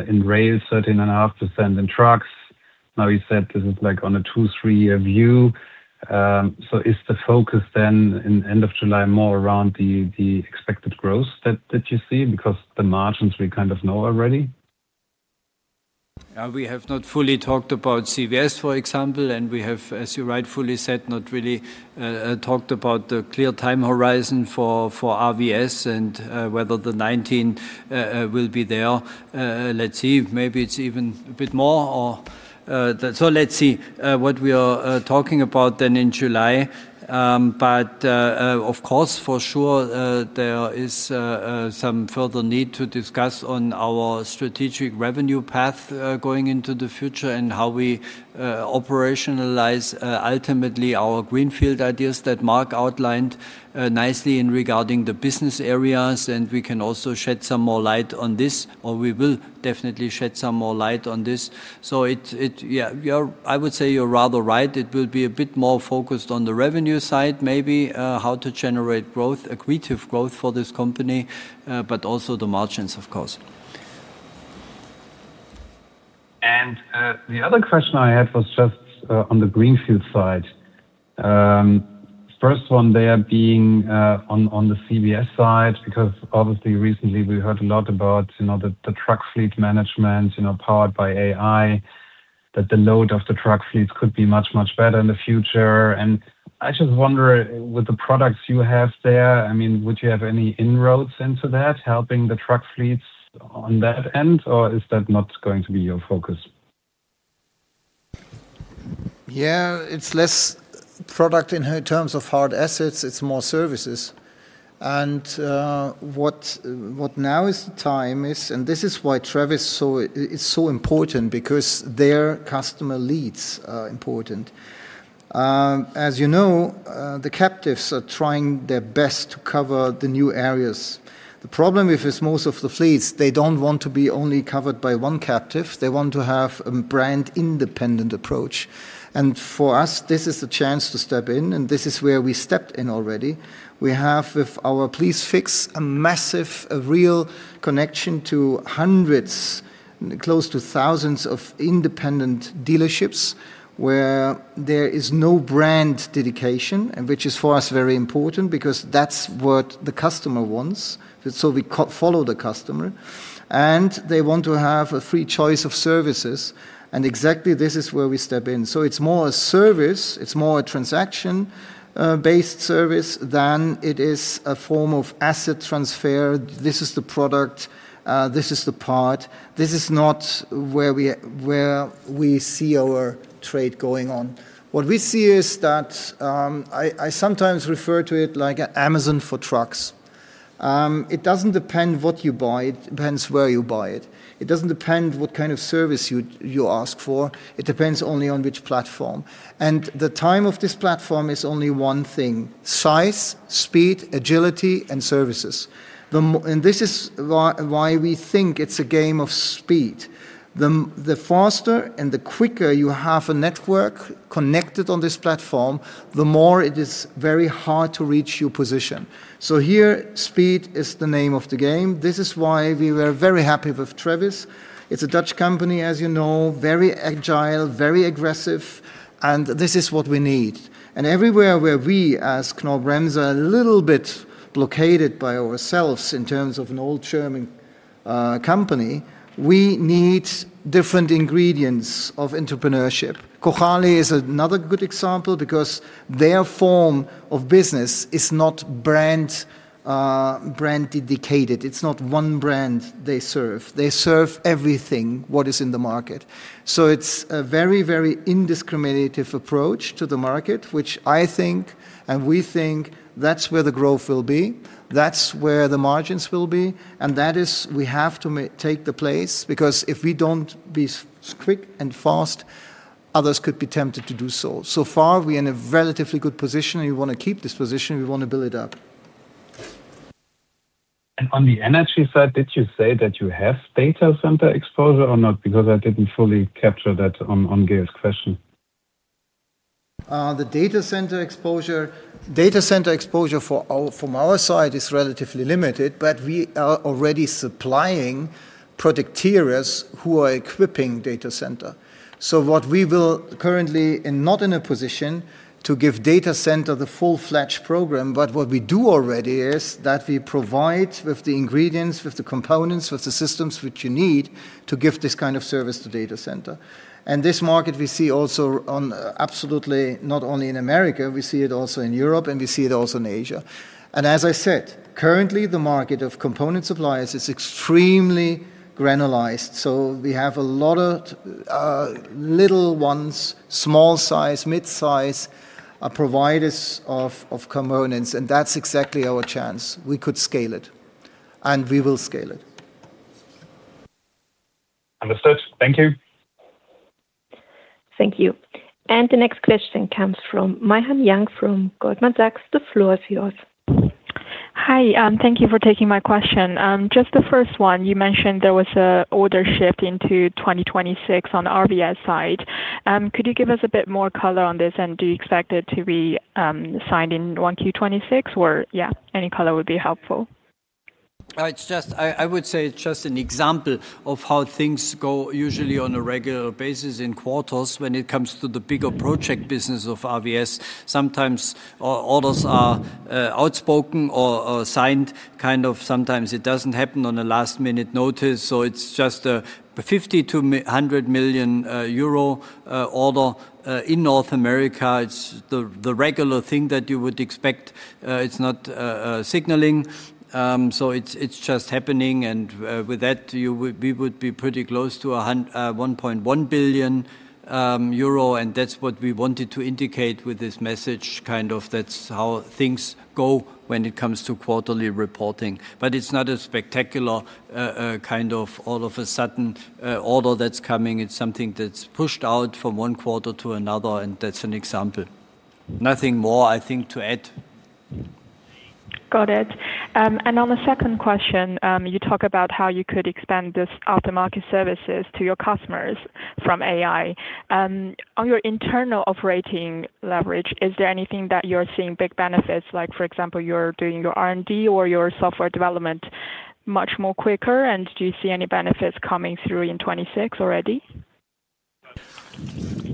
in rail, 13.5% in trucks? Now, you said this is like on a two-three year view. So is the focus then in end of July, more around the expected growth that you see? Because the margins we kind of know already. We have not fully talked about CVS, for example, and we have, as you rightfully said, not really talked about the clear time horizon for RVS and whether the 19 will be there. Let's see, maybe it's even a bit more or... So let's see what we are talking about then in July. But of course, for sure, there is some further need to discuss on our strategic revenue path going into the future and how we operationalize ultimately our Greenfield ideas that Mark outlined nicely in regarding the business areas, and we can also shed some more light on this, or we will definitely shed some more light on this. So it, it- yeah, you're- I would say you're rather right. It will be a bit more focused on the revenue side, maybe, how to generate growth, accretive growth for this company, but also the margins, of course. The other question I had was just on the Greenfield side. First one there being on the CVS side, because obviously recently we heard a lot about, you know, the truck fleet management, you know, powered by AI, that the load of the truck fleets could be much, much better in the future. I just wonder, with the products you have there, I mean, would you have any inroads into that, helping the truck fleets on that end, or is that not going to be your focus? Yeah, it's less product in terms of hard assets, it's more services. And what now is the time is, and this is why Travis is so important because their customer leads are important. As you know, the captives are trying their best to cover the new areas. The problem is most of the fleets, they don't want to be only covered by one captive. They want to have a brand-independent approach, and for us, this is a chance to step in, and this is where we stepped in already. We have, with our PleaseFix, a massive, a real connection to hundreds, close to thousands of independent dealerships, where there is no brand dedication, and which is, for us, very important because that's what the customer wants. So we follow the customer, and they want to have a free choice of services, and exactly this is where we step in. So it's more a service, it's more a transaction based service than it is a form of asset transfer. This is the product, this is the part. This is not where we see our trade going on. What we see is that, I sometimes refer to it like Amazon for trucks. It doesn't depend what you buy, it depends where you buy it. It doesn't depend what kind of service you ask for, it depends only on which platform. And the time of this platform is only one thing: size, speed, agility, and services. And this is why we think it's a game of speed. The faster and the quicker you have a network connected on this platform, the more it is very hard to reach your position. So here, speed is the name of the game. This is why we were very happy with Travis. It's a Dutch company, as you know, very agile, very aggressive, and this is what we need. And everywhere where we, as Knorr-Bremse, are a little bit blockaded by ourselves in terms of an old German company, we need different ingredients of entrepreneurship. Cojali is another good example because their form of business is not brand, brand dedicated. It's not one brand they serve. They serve everything what is in the market. So it's a very, very indiscriminate approach to the market, which I think and we think that's where the growth will be, that's where the margins will be, and that is we have to take the place, because if we don't be quick and fast. Others could be tempted to do so. So far, we're in a relatively good position, and we wanna keep this position, we wanna build it up. On the energy side, did you say that you have data center exposure or not? Because I didn't fully capture that on Gael's question. The data center exposure from our side is relatively limited, but we are already supplying hyperscalers who are equipping data center. So what we will currently, and not in a position to give data center the full-fledged program, but what we do already is that we provide with the ingredients, with the components, with the systems which you need to give this kind of service to data center. And this market we see also on absolutely, not only in America, we see it also in Europe, and we see it also in Asia. And as I said, currently, the market of component suppliers is extremely granularized. So we have a lot of little ones, small size, midsize providers of components, and that's exactly our chance. We could scale it, and we will scale it. Understood. Thank you. Thank you. And the next question comes from Maihan Yang, from Goldman Sachs. The floor is yours. Hi, thank you for taking my question. Just the first one, you mentioned there was an order shift into 2026 on RVS side. Could you give us a bit more color on this, and do you expect it to be signed in 1Q 2026? Or, yeah, any color would be helpful. It's just an example of how things go usually on a regular basis in quarters when it comes to the bigger project business of RVS. Sometimes orders are outspoken or signed, kind of, sometimes it doesn't happen on a last-minute notice. So it's just a 50 million-100 million euro order in North America. It's the regular thing that you would expect. It's not signaling, so it's just happening. And with that, we would be pretty close to 1.1 billion euro, and that's what we wanted to indicate with this message. Kind of that's how things go when it comes to quarterly reporting. But it's not a spectacular kind of all of a sudden order that's coming. It's something that's pushed out from one quarter to another, and that's an example. Nothing more, I think, to add. Got it. And on the second question, you talk about how you could expand this aftermarket services to your customers from AI. On your internal operating leverage, is there anything that you're seeing big benefits, like, for example, you're doing your R&D or your software development much more quicker? And do you see any benefits coming through in 2026 already?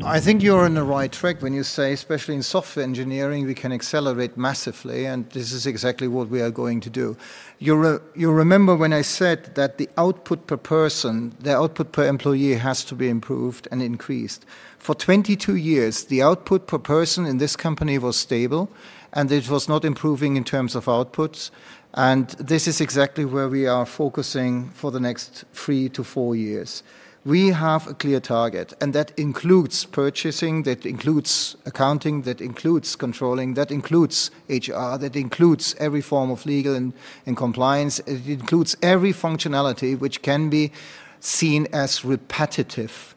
I think you're on the right track when you say, especially in software engineering, we can accelerate massively, and this is exactly what we are going to do. You remember when I said that the output per person, the output per employee, has to be improved and increased. For 22 years, the output per person in this company was stable, and it was not improving in terms of outputs, and this is exactly where we are focusing for the next three-four years. We have a clear target, and that includes purchasing, that includes accounting, that includes controlling, that includes HR, that includes every form of legal and compliance. It includes every functionality which can be seen as repetitive.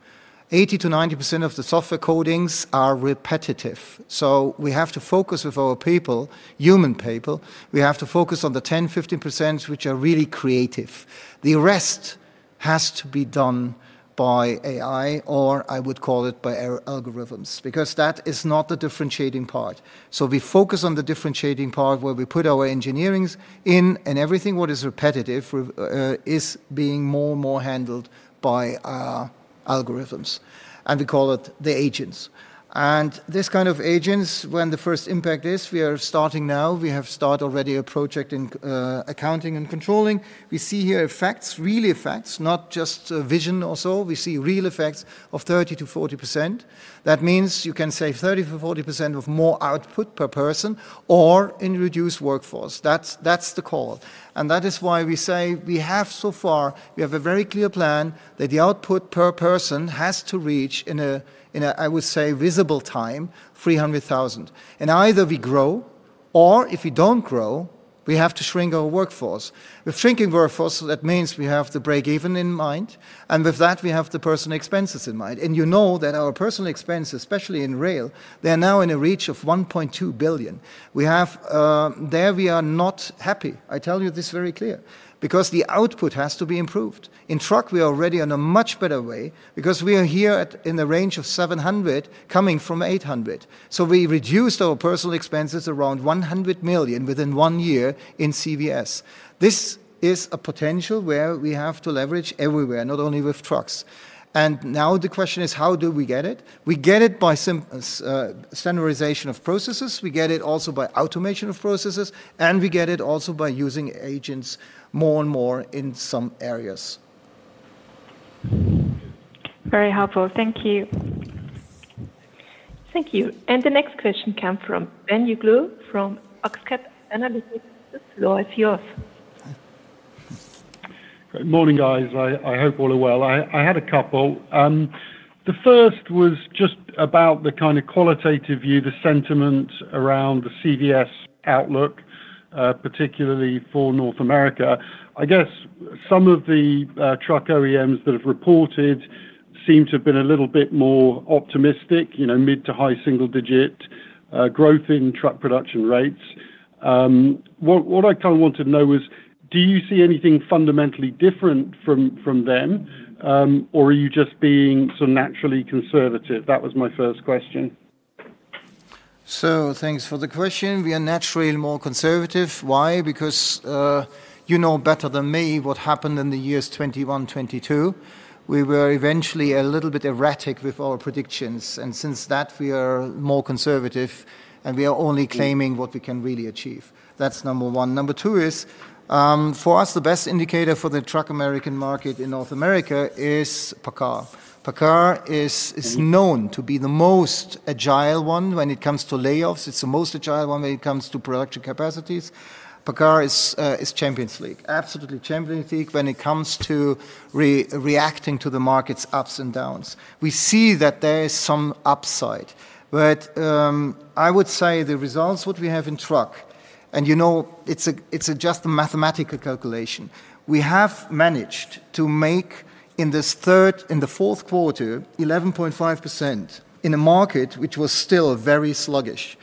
80%-90% of the software codings are repetitive, so we have to focus with our people, human people, we have to focus on the 10%, 15%, which are really creative. The rest has to be done by AI, or I would call it by algorithms, because that is not the differentiating part. So we focus on the differentiating part, where we put our engineerings in, and everything what is repetitive is being more and more handled by our algorithms, and we call it the agents. And this kind of agents, when the first impact is, we are starting now. We have start already a project in accounting and controlling. We see here effects, real effects, not just a vision or so. We see real effects of 30%-40%. That means you can save 30%-40% of more output per person or in reduced workforce. That's, that's the call, and that is why we say we have so far, we have a very clear plan that the output per person has to reach in a, I would say, visible time, 300,000. And either we grow, or if we don't grow, we have to shrink our workforce. With shrinking workforce, that means we have to break even in mind, and with that, we have the personal expenses in mind. And you know that our personal expenses, especially in rail, they are now in a reach of 1.2 billion. We have, there, we are not happy. I tell you this very clear, because the output has to be improved. In truck, we are already on a much better way because we are here at, in the range of 700, coming from 800. So we reduced our personal expenses around 100 million within one year in CVS. This is a potential where we have to leverage everywhere, not only with trucks. And now the question is: How do we get it? We get it by standardization of processes, we get it also by automation of processes, and we get it also by using agents more and more in some areas. Very helpful. Thank you. Thank you. The next question come from Ben Uglow from Oxcap Analytics. The floor is yours. Good morning, guys. I hope all are well. I had a couple. The first was just about the kind of qualitative view, the sentiment around the CVS outlook. Particularly for North America. I guess some of the, truck OEMs that have reported seem to have been a little bit more optimistic, you know, mid- to high single-digit, growth in truck production rates. What, what I kind of want to know is: Do you see anything fundamentally different from, from them, or are you just being sort of naturally conservative? That was my first question. So thanks for the question. We are naturally more conservative. Why? Because, you know better than me what happened in the years 2021, 2022. We were eventually a little bit erratic with our predictions, and since that, we are more conservative, and we are only claiming what we can really achieve. That's number one. Number two is, for us, the best indicator for the truck American market in North America is PACCAR. PACCAR is known to be the most agile one when it comes to layoffs. It's the most agile one when it comes to production capacities. PACCAR is Champions League, absolutely Champions League when it comes to reacting to the market's ups and downs. We see that there is some upside, but, I would say the results what we have in truck, and, you know, it's just a mathematical calculation. We have managed to make, in the fourth quarter, 11.5% in a market which was still very sluggish.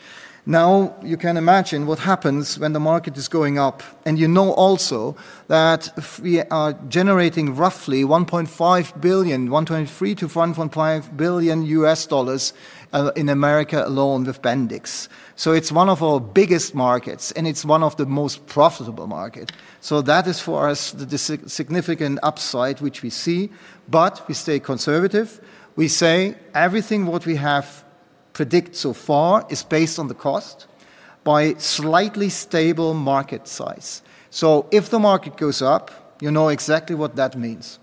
Now, you can imagine what happens when the market is going up, and you know also that we are generating roughly $1.5 billion, $1.3 billion-$1.5 billion in America alone with Bendix. So it's one of our biggest markets, and it's one of the most profitable market. So that is, for us, the significant upside, which we see, but we stay conservative. We say everything what we have predicted so far is based on the cost by slightly stable market size. So if the market goes up, you know exactly what that means.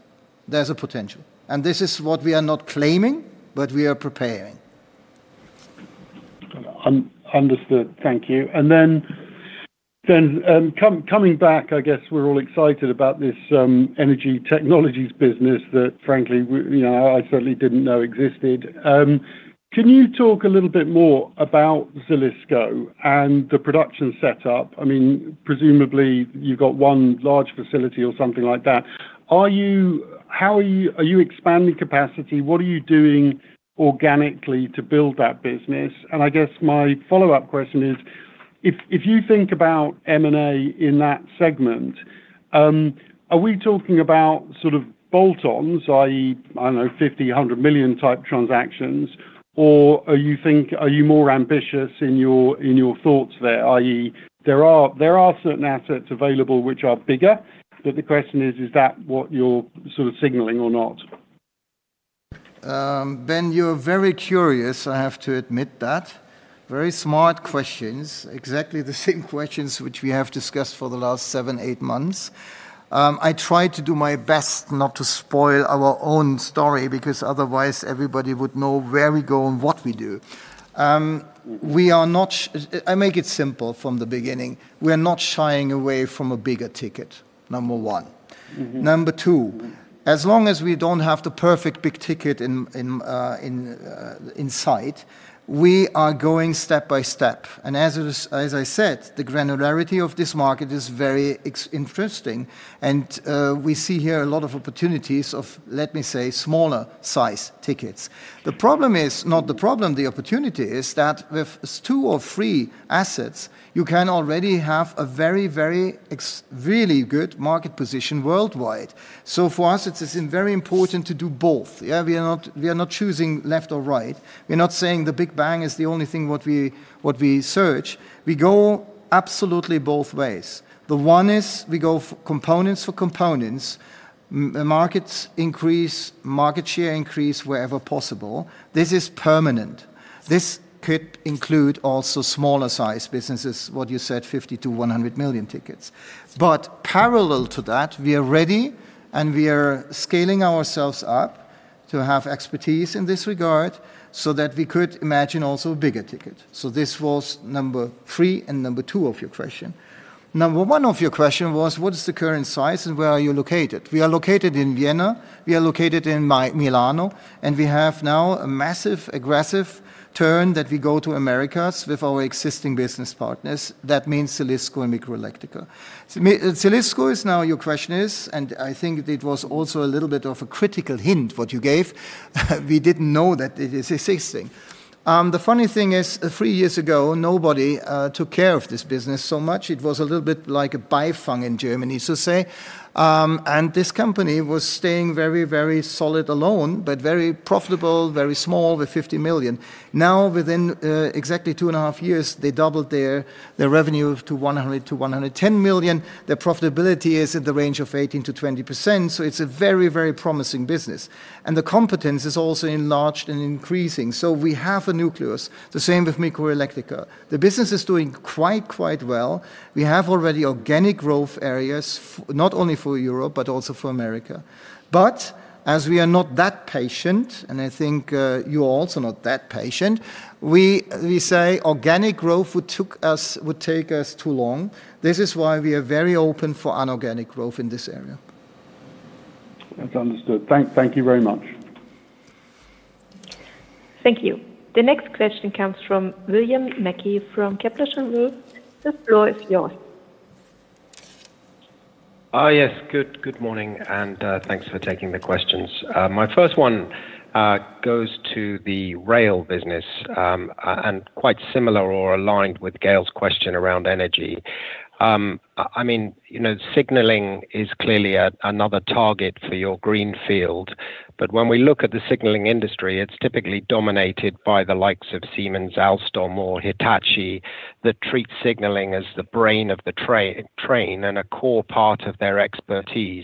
There's a potential, and this is what we are not claiming, but we are preparing. Understood. Thank you. Then, coming back, I guess we're all excited about this energy technologies business that frankly, we, you know, I certainly didn't know existed. Can you talk a little bit more about Zelisko and the production setup? I mean, presumably, you've got one large facility or something like that. Are you expanding capacity? What are you doing organically to build that business? And I guess my follow-up question is: If you think about M&A in that segment, are we talking about sort of bolt-ons, i.e., I don't know, 50 million, EUR 100 million-type transactions, or are you more ambitious in your thoughts there, i.e., there are certain assets available which are bigger, but the question is, is that what you're sort of signaling or not? Ben, you're very curious, I have to admit that. Very smart questions. Exactly the same questions which we have discussed for the last seven, eight months. I try to do my best not to spoil our own story because otherwise, everybody would know where we go and what we do. We are not. I make it simple from the beginning. We are not shying away from a bigger ticket, number one. Mm-hmm. Number two, as long as we don't have the perfect big ticket in sight, we are going step by step. And as I said, the granularity of this market is very interesting, and we see here a lot of opportunities of, let me say, smaller size tickets. The problem is... Not the problem, the opportunity is that with two or three assets, you can already have a very, very really good market position worldwide. So for us, it is very important to do both. Yeah, we are not choosing left or right. We're not saying the big bang is the only thing what we search. We go absolutely both ways. The one is we go components for components. Markets increase, market share increase wherever possible. This is permanent. This could include also smaller size businesses, what you said, 50 to 100 million tickets. But parallel to that, we are ready, and we are scaling ourselves up to have expertise in this regard so that we could imagine also a bigger ticket. So this was number three and number two of your question. Number one of your question was: What is the current size, and where are you located? We are located in Vienna. We are located in Milano, and we have now a massive, aggressive turn that we go to Americas with our existing business partners. That means Zelisko and Microelettrica. Zelisko is now, your question is, and I think it was also a little bit of a critical hint, what you gave. We didn't know that it is existing. The funny thing is, three years ago, nobody took care of this business so much. It was a little bit like a Byfang in Germany, so to say. And this company was staying very, very solid alone, but very profitable, very small, with 50 million. Now, within exactly two and a half years, they doubled their revenue to 100 million-110 million. Their profitability is in the range of 18%-20%, so it's a very, very promising business, and the competence is also enlarged and increasing. So we have a nucleus, the same with Microelettrica. The business is doing quite, quite well. We have already organic growth areas, for not only for Europe, but also for America. But as we are not that patient, and I think you are also not that patient, we say organic growth would take us too long. This is why we are very open for inorganic growth in this area. That's understood. Thank you very much. Thank you. The next question comes from William Mackie from Kepler Cheuvreux. The floor is yours. Yes. Good morning, and thanks for taking the questions. My first one goes to the rail business, and quite similar or aligned with Gael's question around energy. I mean, you know, signaling is clearly another target for your Greenfield, but when we look at the signaling industry, it's typically dominated by the likes of Siemens, Alstom or Hitachi, that treat signaling as the brain of the train and a core part of their expertise.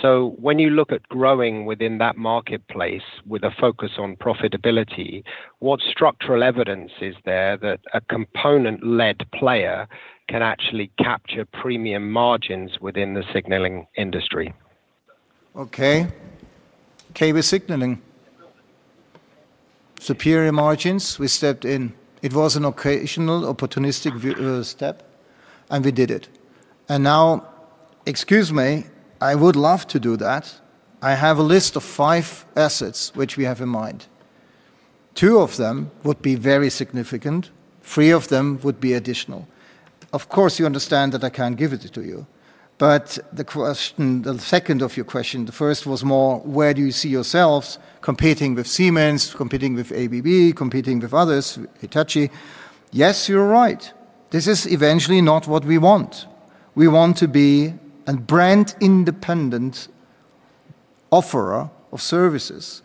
So when you look at growing within that marketplace with a focus on profitability, what structural evidence is there that a component-led player can actually capture premium margins within the signaling industry? Okay. Okay, with signaling. Superior margins, we stepped in. It was an occasional opportunistic step, and we did it. And now, excuse me, I would love to do that. I have a list of five assets which we have in mind. Two of them would be very significant, three of them would be additional. Of course, you understand that I can't give it to you, but the second of your question, the first was more, where do you see yourselves competing with Siemens, competing with ABB, competing with others, Hitachi? Yes, you're right. This is eventually not what we want. We want to be a brand-independent offerer of services,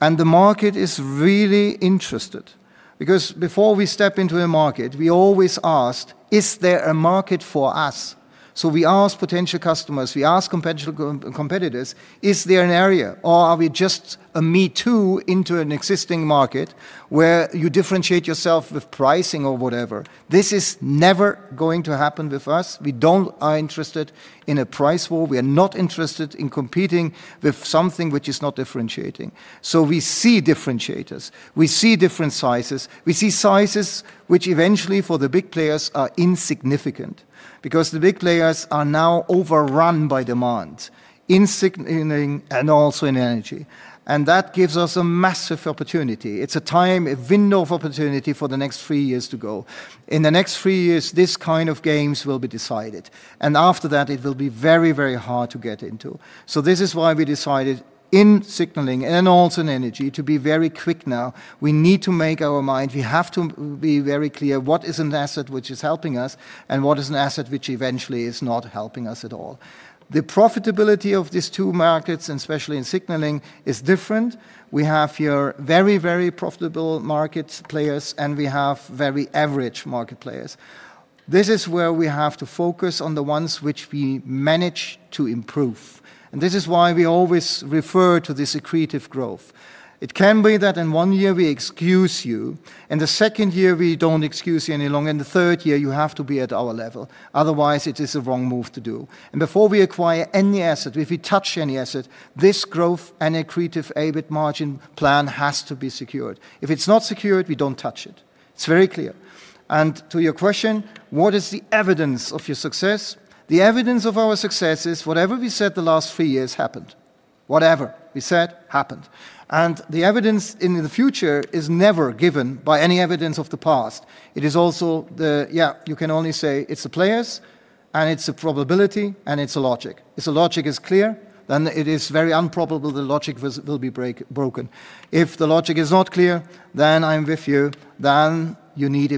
and the market is really interested. Because before we step into a market, we always asked: "Is there a market for us?" So we ask potential customers, we ask competitors, "Is there an area, or are we just a me too into an existing market where you differentiate yourself with pricing or whatever?" This is never going to happen with us. We are not interested in a price war. We are not interested in competing with something which is not differentiating. So we see differentiators, we see different sizes. We see sizes which eventually, for the big players, are insignificant because the big players are now overrun by demand in signaling and also in energy. And that gives us a massive opportunity. It's a time, a window of opportunity for the next three years to go. In the next three years, this kind of games will be decided, and after that, it will be very, very hard to get into. So this is why we decided in signaling and also in energy to be very quick now. We need to make our mind. We have to be very clear what is an asset which is helping us and what is an asset which eventually is not helping us at all. The profitability of these two markets, and especially in signaling, is different. We have very very profitable market players, and we have very average market players. This is where we have to focus on the ones which we manage to improve, and this is why we always refer to this accretive growth. It can be that in one year we excuse you, in the second year, we don't excuse you any longer, in the third year, you have to be at our level. Otherwise, it is a wrong move to do. And before we acquire any asset, if we touch any asset, this growth and accretive EBIT margin plan has to be secured. If it's not secured, we don't touch it. It's very clear. And to your question, what is the evidence of your success? The evidence of our success is whatever we said the last three years happened. Whatever we said happened. And the evidence in the future is never given by any evidence of the past. It is also the... Yeah, you can only say it's the players, and it's a probability, and it's a logic. If the logic is clear, then it is very improbable the logic will be broken. If the logic is not clear, then I'm with you, then you need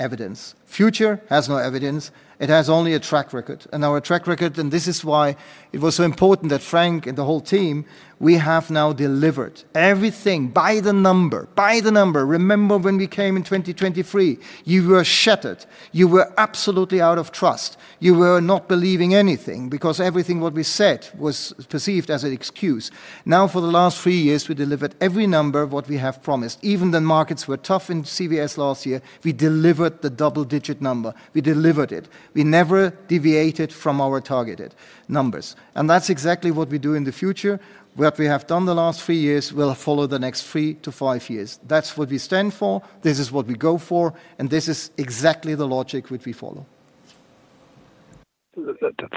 evidence. Future has no evidence. It has only a track record. And our track record, and this is why it was so important that Frank and the whole team, we have now delivered everything by the number. By the number! Remember when we came in 2023, you were shattered. You were absolutely out of trust. You were not believing anything because everything what we said was perceived as an excuse. Now, for the last three years, we delivered every number what we have promised. Even the markets were tough in CVS last year, we delivered the double-digit number. We delivered it. We never deviated from our targeted numbers, and that's exactly what we do in the future. What we have done the last three years will follow the next three-five years. That's what we stand for, this is what we go for, and this is exactly the logic which we follow.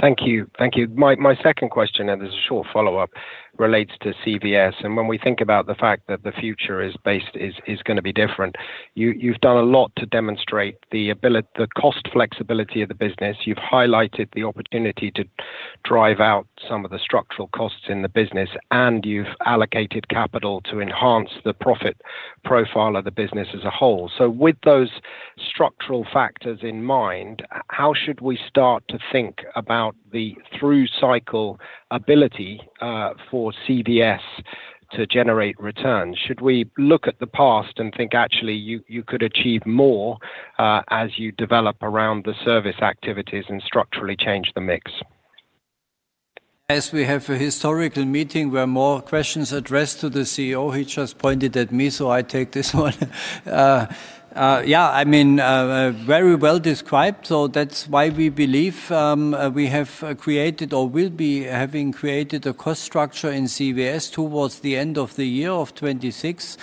Thank you. Thank you. My second question, and it's a short follow-up, relates to CVS. When we think about the fact that the future is based, is gonna be different, you, you've done a lot to demonstrate the ability, the cost flexibility of the business. You've highlighted the opportunity to drive out some of the structural costs in the business, and you've allocated capital to enhance the profit profile of the business as a whole. So with those structural factors in mind, how should we start to think about the through-cycle ability for CVS to generate returns? Should we look at the past and think, actually, you, you could achieve more as you develop around the service activities and structurally change the mix? As we have a historical meeting where more questions addressed to the CEO, he just pointed at me, so I take this one. Yeah, I mean, very well described. So that's why we believe we have created or will be having created a cost structure in CVS towards the end of the year of 2026,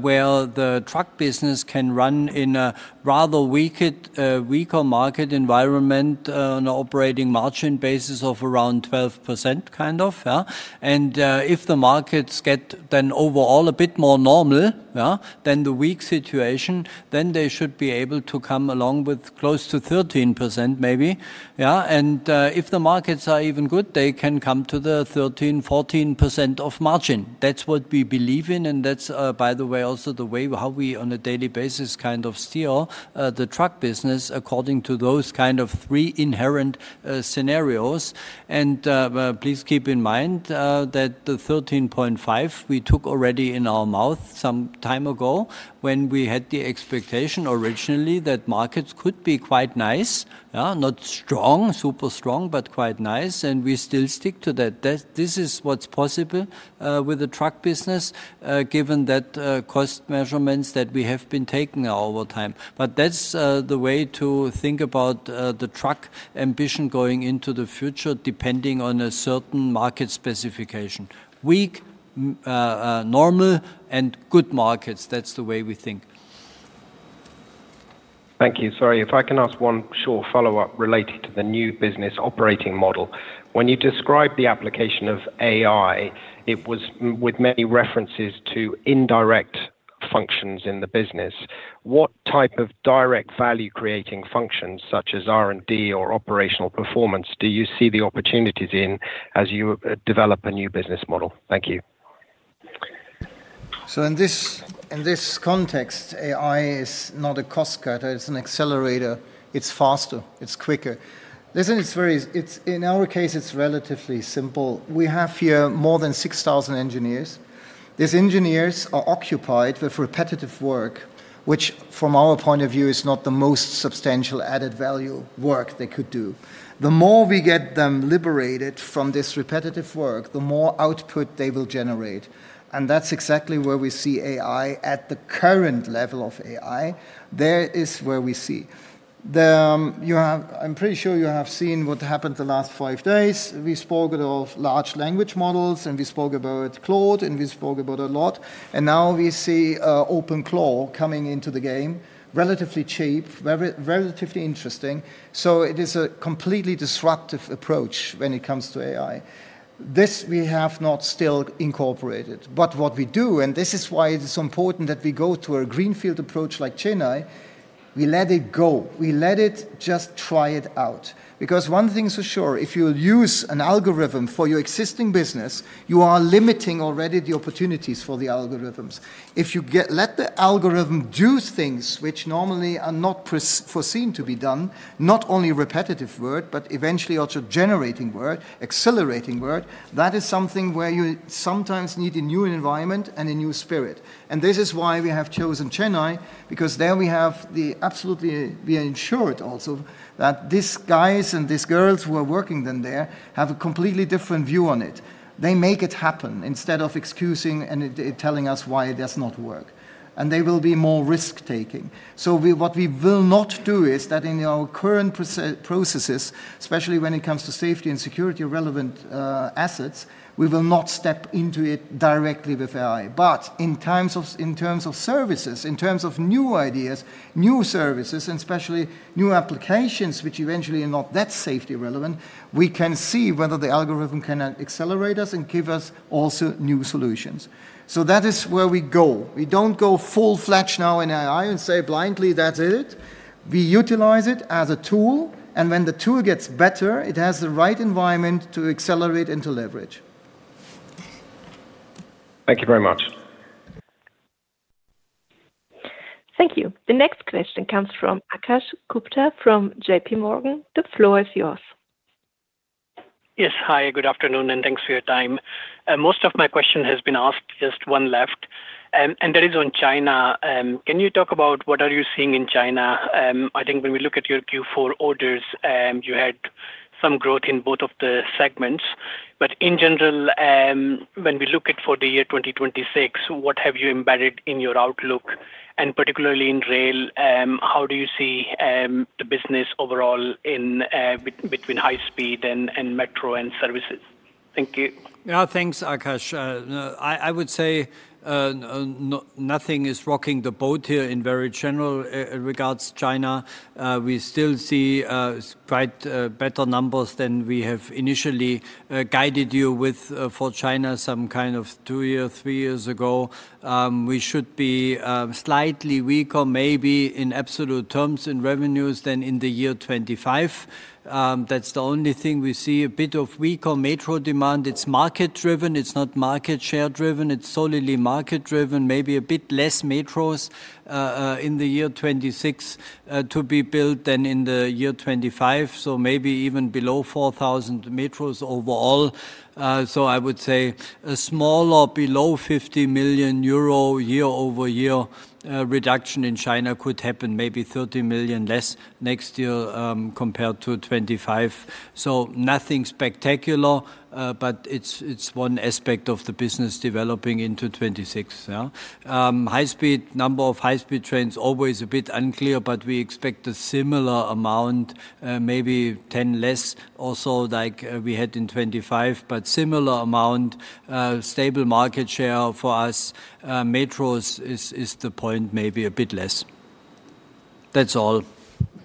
where the truck business can run in a rather weaker market environment, on operating margin basis of around 12%, kind of, yeah? And, if the markets get then overall a bit more normal, yeah, than the weak situation, then they should be able to come along with close to 13% maybe, yeah? And, if the markets are even good, they can come to the 13%-14% of margin. That's what we believe in, and that's, by the way, also the way how we, on a daily basis, kind of steer the truck business according to those kind of three inherent scenarios. And please keep in mind that the 13.5 we took already in our math some time ago when we had the expectation originally that markets could be quite nice. Not strong, super strong, but quite nice, and we still stick to that. This is what's possible with the truck business given that cost measurements that we have been taking over time. But that's the way to think about the truck ambition going into the future, depending on a certain market specification. Weak, normal, and good markets. That's the way we think. Thank you. Sorry, if I can ask one short follow-up related to the new business operating model. When you describe the application of AI, it was with many references to indirect functions in the business. What type of direct value-creating functions, such as R&D or operational performance, do you see the opportunities in as you develop a new business model? Thank you. So in this, in this context, AI is not a cost cutter. It's an accelerator. It's faster, it's quicker. Listen, it's very... It's— In our case, it's relatively simple. We have here more than 6,000 engineers. These engineers are occupied with repetitive work, which, from our point of view, is not the most substantial added value work they could do. The more we get them liberated from this repetitive work, the more output they will generate, and that's exactly where we see AI at the current level of AI. There is where we see. The, you have— I'm pretty sure you have seen what happened the last five days. We spoke of large language models, and we spoke about Claude, and we spoke about a lot. And now we see, OpenAI coming into the game, relatively cheap, very relatively interesting. So it is a completely disruptive approach when it comes to AI. This we have not still incorporated, but what we do, and this is why it is important that we go to a Greenfield approach like Chennai, we let it go. We let it just try it out. Because one thing's for sure, if you use an algorithm for your existing business, you are limiting already the opportunities for the algorithms. If you let the algorithm do things which normally are not foreseen to be done, not only repetitive work, but eventually also generating work, accelerating work, that is something where you sometimes need a new environment and a new spirit. And this is why we have chosen Chennai, because there we have the absolutely, we ensure it also, that these guys and these girls who are working then there have a completely different view on it. They make it happen instead of excusing it and telling us why it does not work. And they will be more risk-taking. So what we will not do is that in our current processes, especially when it comes to safety and security-relevant assets, we will not step into it directly with AI. But in terms of, in terms of services, in terms of new ideas, new services, and especially new applications, which eventually are not that safety relevant, we can see whether the algorithm can accelerate us and give us also new solutions. So that is where we go. We don't go full-fledged now in AI and say blindly, "That's it." We utilize it as a tool, and when the tool gets better, it has the right environment to accelerate and to leverage. Thank you very much. Thank you. The next question comes from Akash Gupta from JP Morgan. The floor is yours. Yes. Hi, good afternoon, and thanks for your time. Most of my question has been asked, just one left, and that is on China. Can you talk about what are you seeing in China? I think when we look at your Q4 orders, you had some growth in both of the segments. But in general, when we look at for the year 2026, what have you embedded in your outlook, and particularly in rail, how do you see the business overall in between high speed and metro and services? Thank you. Yeah. Thanks, Akash. I would say nothing is rocking the boat here in very general regards China. We still see quite better numbers than we have initially guided you with for China, some kind of two year, three years ago. We should be slightly weaker, maybe in absolute terms in revenues than in the year 2025. That's the only thing we see a bit of weaker metro demand. It's market driven. It's not market share driven. It's solidly market driven, maybe a bit less metros in the year 2026 to be built than in the year 2025, so maybe even below 4,000 metros overall. So I would say a small or below 50 million euro year-over-year reduction in China could happen, maybe 30 million less next year compared to 2025. So nothing spectacular, but it's one aspect of the business developing into 2026, yeah. High speed, number of high-speed trains, always a bit unclear, but we expect a similar amount, maybe 10 less or so like we had in 2025, but similar amount, stable market share for us. Metros is the point, maybe a bit less. That's all.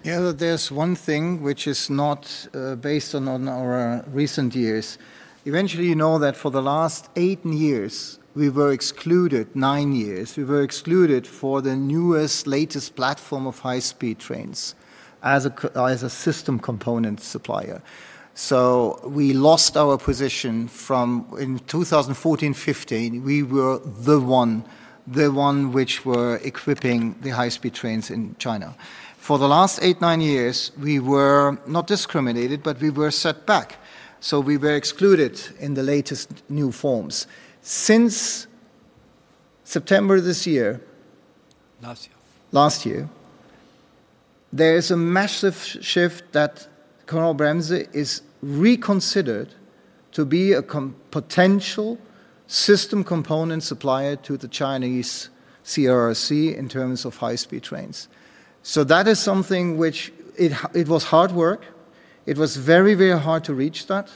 Yeah, there's one thing which is not based on our recent years. Eventually, you know that for the last 18 years, we were excluded—nine years, we were excluded for the newest, latest platform of high-speed trains as a system component supplier. So we lost our position from... In 2014, 2015, we were the one, the one which were equipping the high-speed trains in China. For the last eight, nine years, we were not discriminated, but we were set back, so we were excluded in the latest new forms. Since September this year- Last year. Last year, there is a massive shift that Knorr-Bremse is reconsidered to be a potential system component supplier to the Chinese CRRC in terms of high-speed trains. So that is something which it was hard work. It was very, very hard to reach that,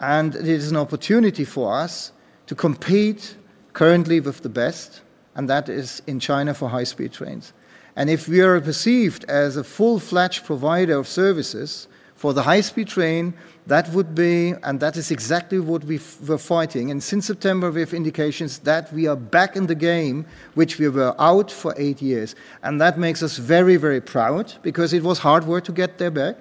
and it is an opportunity for us to compete currently with the best, and that is in China for high-speed trains. And if we are perceived as a full-fledged provider of services for the high-speed train, that would be, and that is exactly what we're fighting. And since September, we have indications that we are back in the game, which we were out for eight years, and that makes us very, very proud because it was hard work to get there back.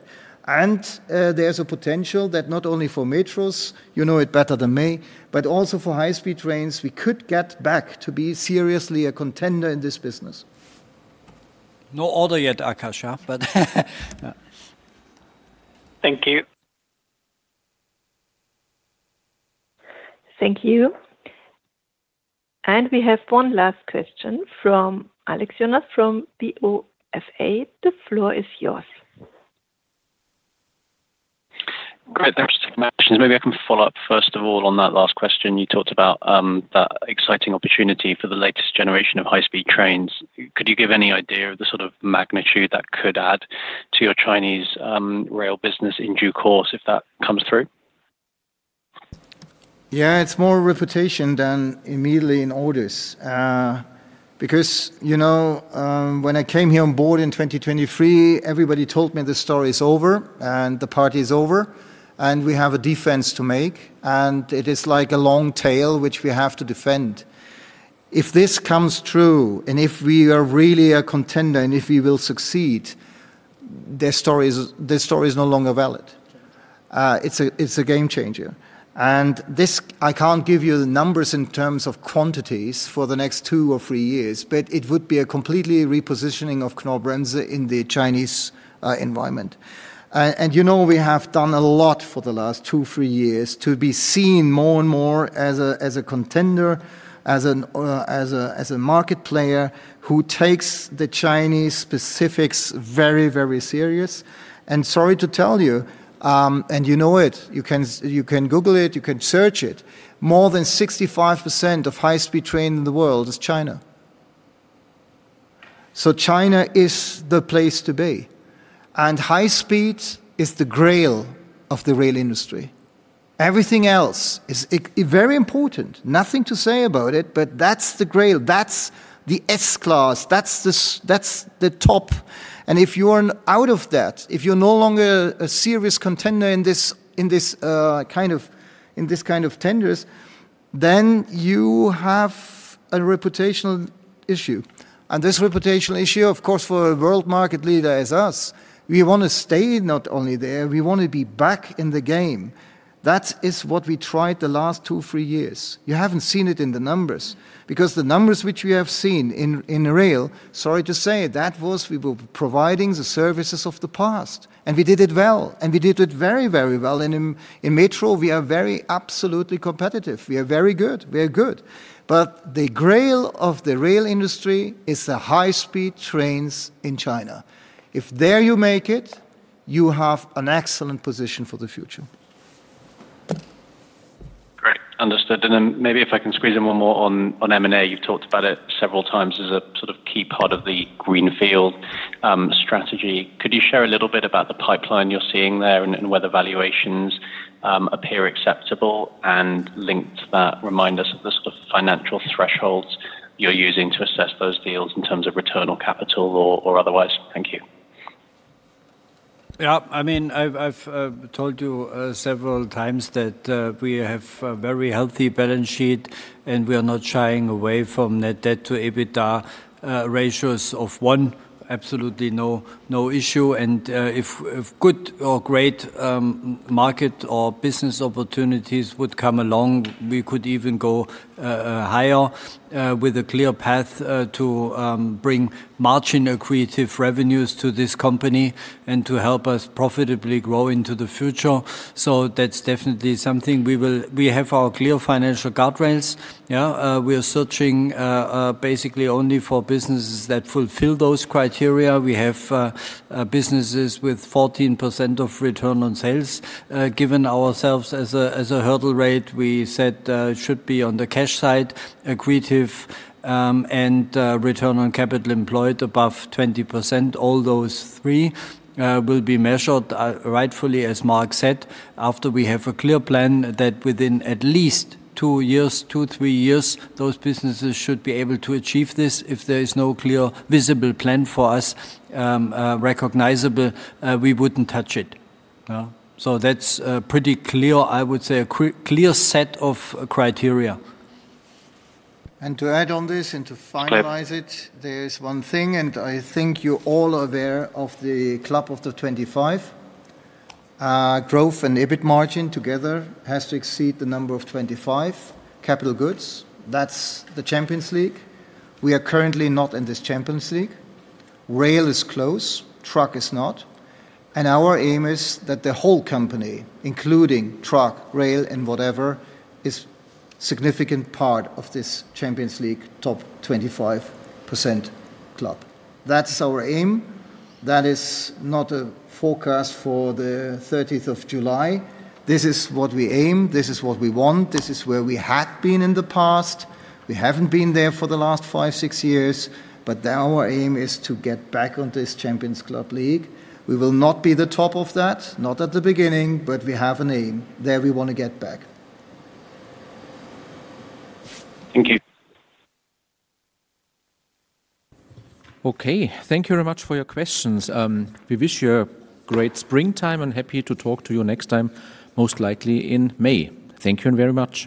There's a potential that not only for metros, you know it better than me, but also for high-speed trains, we could get back to be seriously a contender in this business. No order yet, Akash, but Thank you. Thank you. We have one last question from Alex Jonas, from the Oddo BHF. The floor is yours. Great. Thanks so much. Maybe I can follow up, first of all, on that last question. You talked about that exciting opportunity for the latest generation of high-speed trains. Could you give any idea of the sort of magnitude that could add to your Chinese rail business in due course, if that comes through? Yeah, it's more reputation than immediately in orders. Because, you know, when I came here on board in 2023, everybody told me the story is over and the party is over, and we have a defense to make, and it is like a long tail, which we have to defend. If this comes true, and if we are really a contender, and if we will succeed, the story is, the story is no longer valid. It's a, it's a game changer. And this, I can't give you the numbers in terms of quantities for the next two or three years, but it would be a completely repositioning of Knorr-Bremse in the Chinese environment. And you know, we have done a lot for the last two-three years to be seen more and more as a contender, as a market player who takes the Chinese specifics very, very serious. And sorry to tell you, and you know it, you can Google it, you can search it, more than 65% of high-speed train in the world is China. So China is the place to be, and high speed is the grail of the rail industry. Everything else is very important, nothing to say about it, but that's the grail, that's the S-class, that's the top, and if you are out of that, if you're no longer a serious contender in this kind of tenders, then you have a reputational issue. This reputational issue, of course, for a world market leader as us, we want to stay not only there, we want to be back in the game. That is what we tried the last two, three years. You haven't seen it in the numbers, because the numbers which we have seen in rail, sorry to say, that was we were providing the services of the past, and we did it well, and we did it very, very well. And in metro, we are very absolutely competitive. We are very good. We are good. But the grail of the rail industry is the high-speed trains in China. If there you make it, you have an excellent position for the future. Great. Understood. And then maybe if I can squeeze in one more on, on M&A. You've talked about it several times as a sort of key part of the Greenfield strategy. Could you share a little bit about the pipeline you're seeing there and, and whether valuations appear acceptable? And linked to that, remind us of the sort of financial thresholds you're using to assess those deals in terms of return on capital or, or otherwise. Thank you. Yeah, I mean, I've told you several times that we have a very healthy balance sheet, and we are not shying away from net debt to EBITDA ratios of one. Absolutely no issue, and if good or great market or business opportunities would come along, we could even go higher, with a clear path to bring margin accretive revenues to this company and to help us profitably grow into the future. So that's definitely something we will. We have our clear financial guardrails. Yeah, we are searching basically only for businesses that fulfill those criteria. We have businesses with 14% of return on sales, given ourselves as a hurdle rate. We said, should be on the cash side, accretive, and return on capital employed above 20%. All those three will be measured, rightfully, as Mark said, after we have a clear plan that within at least two years, two-three years, those businesses should be able to achieve this. If there is no clear, visible plan for us, recognizable, we wouldn't touch it. So that's a pretty clear, I would say, a clear set of criteria. To add on this and to finalize it- Clear. There is one thing, and I think you all are aware of the Club of the 25. Growth and EBIT margin together has to exceed the number of 25 capital goods. That's the Champions League. We are currently not in this Champions League. Rail is close, truck is not, and our aim is that the whole company, including truck, rail, and whatever, is significant part of this Champions League top 25% club. That's our aim. That is not a forecast for the thirteenth of July. This is what we aim, this is what we want, this is where we had been in the past. We haven't been there for the last five, six years, but now our aim is to get back on this Champions Club League. We will not be the top of that, not at the beginning, but we have an aim. There, we want to get back. Thank you. Okay. Thank you very much for your questions. We wish you a great springtime and happy to talk to you next time, most likely in May. Thank you very much.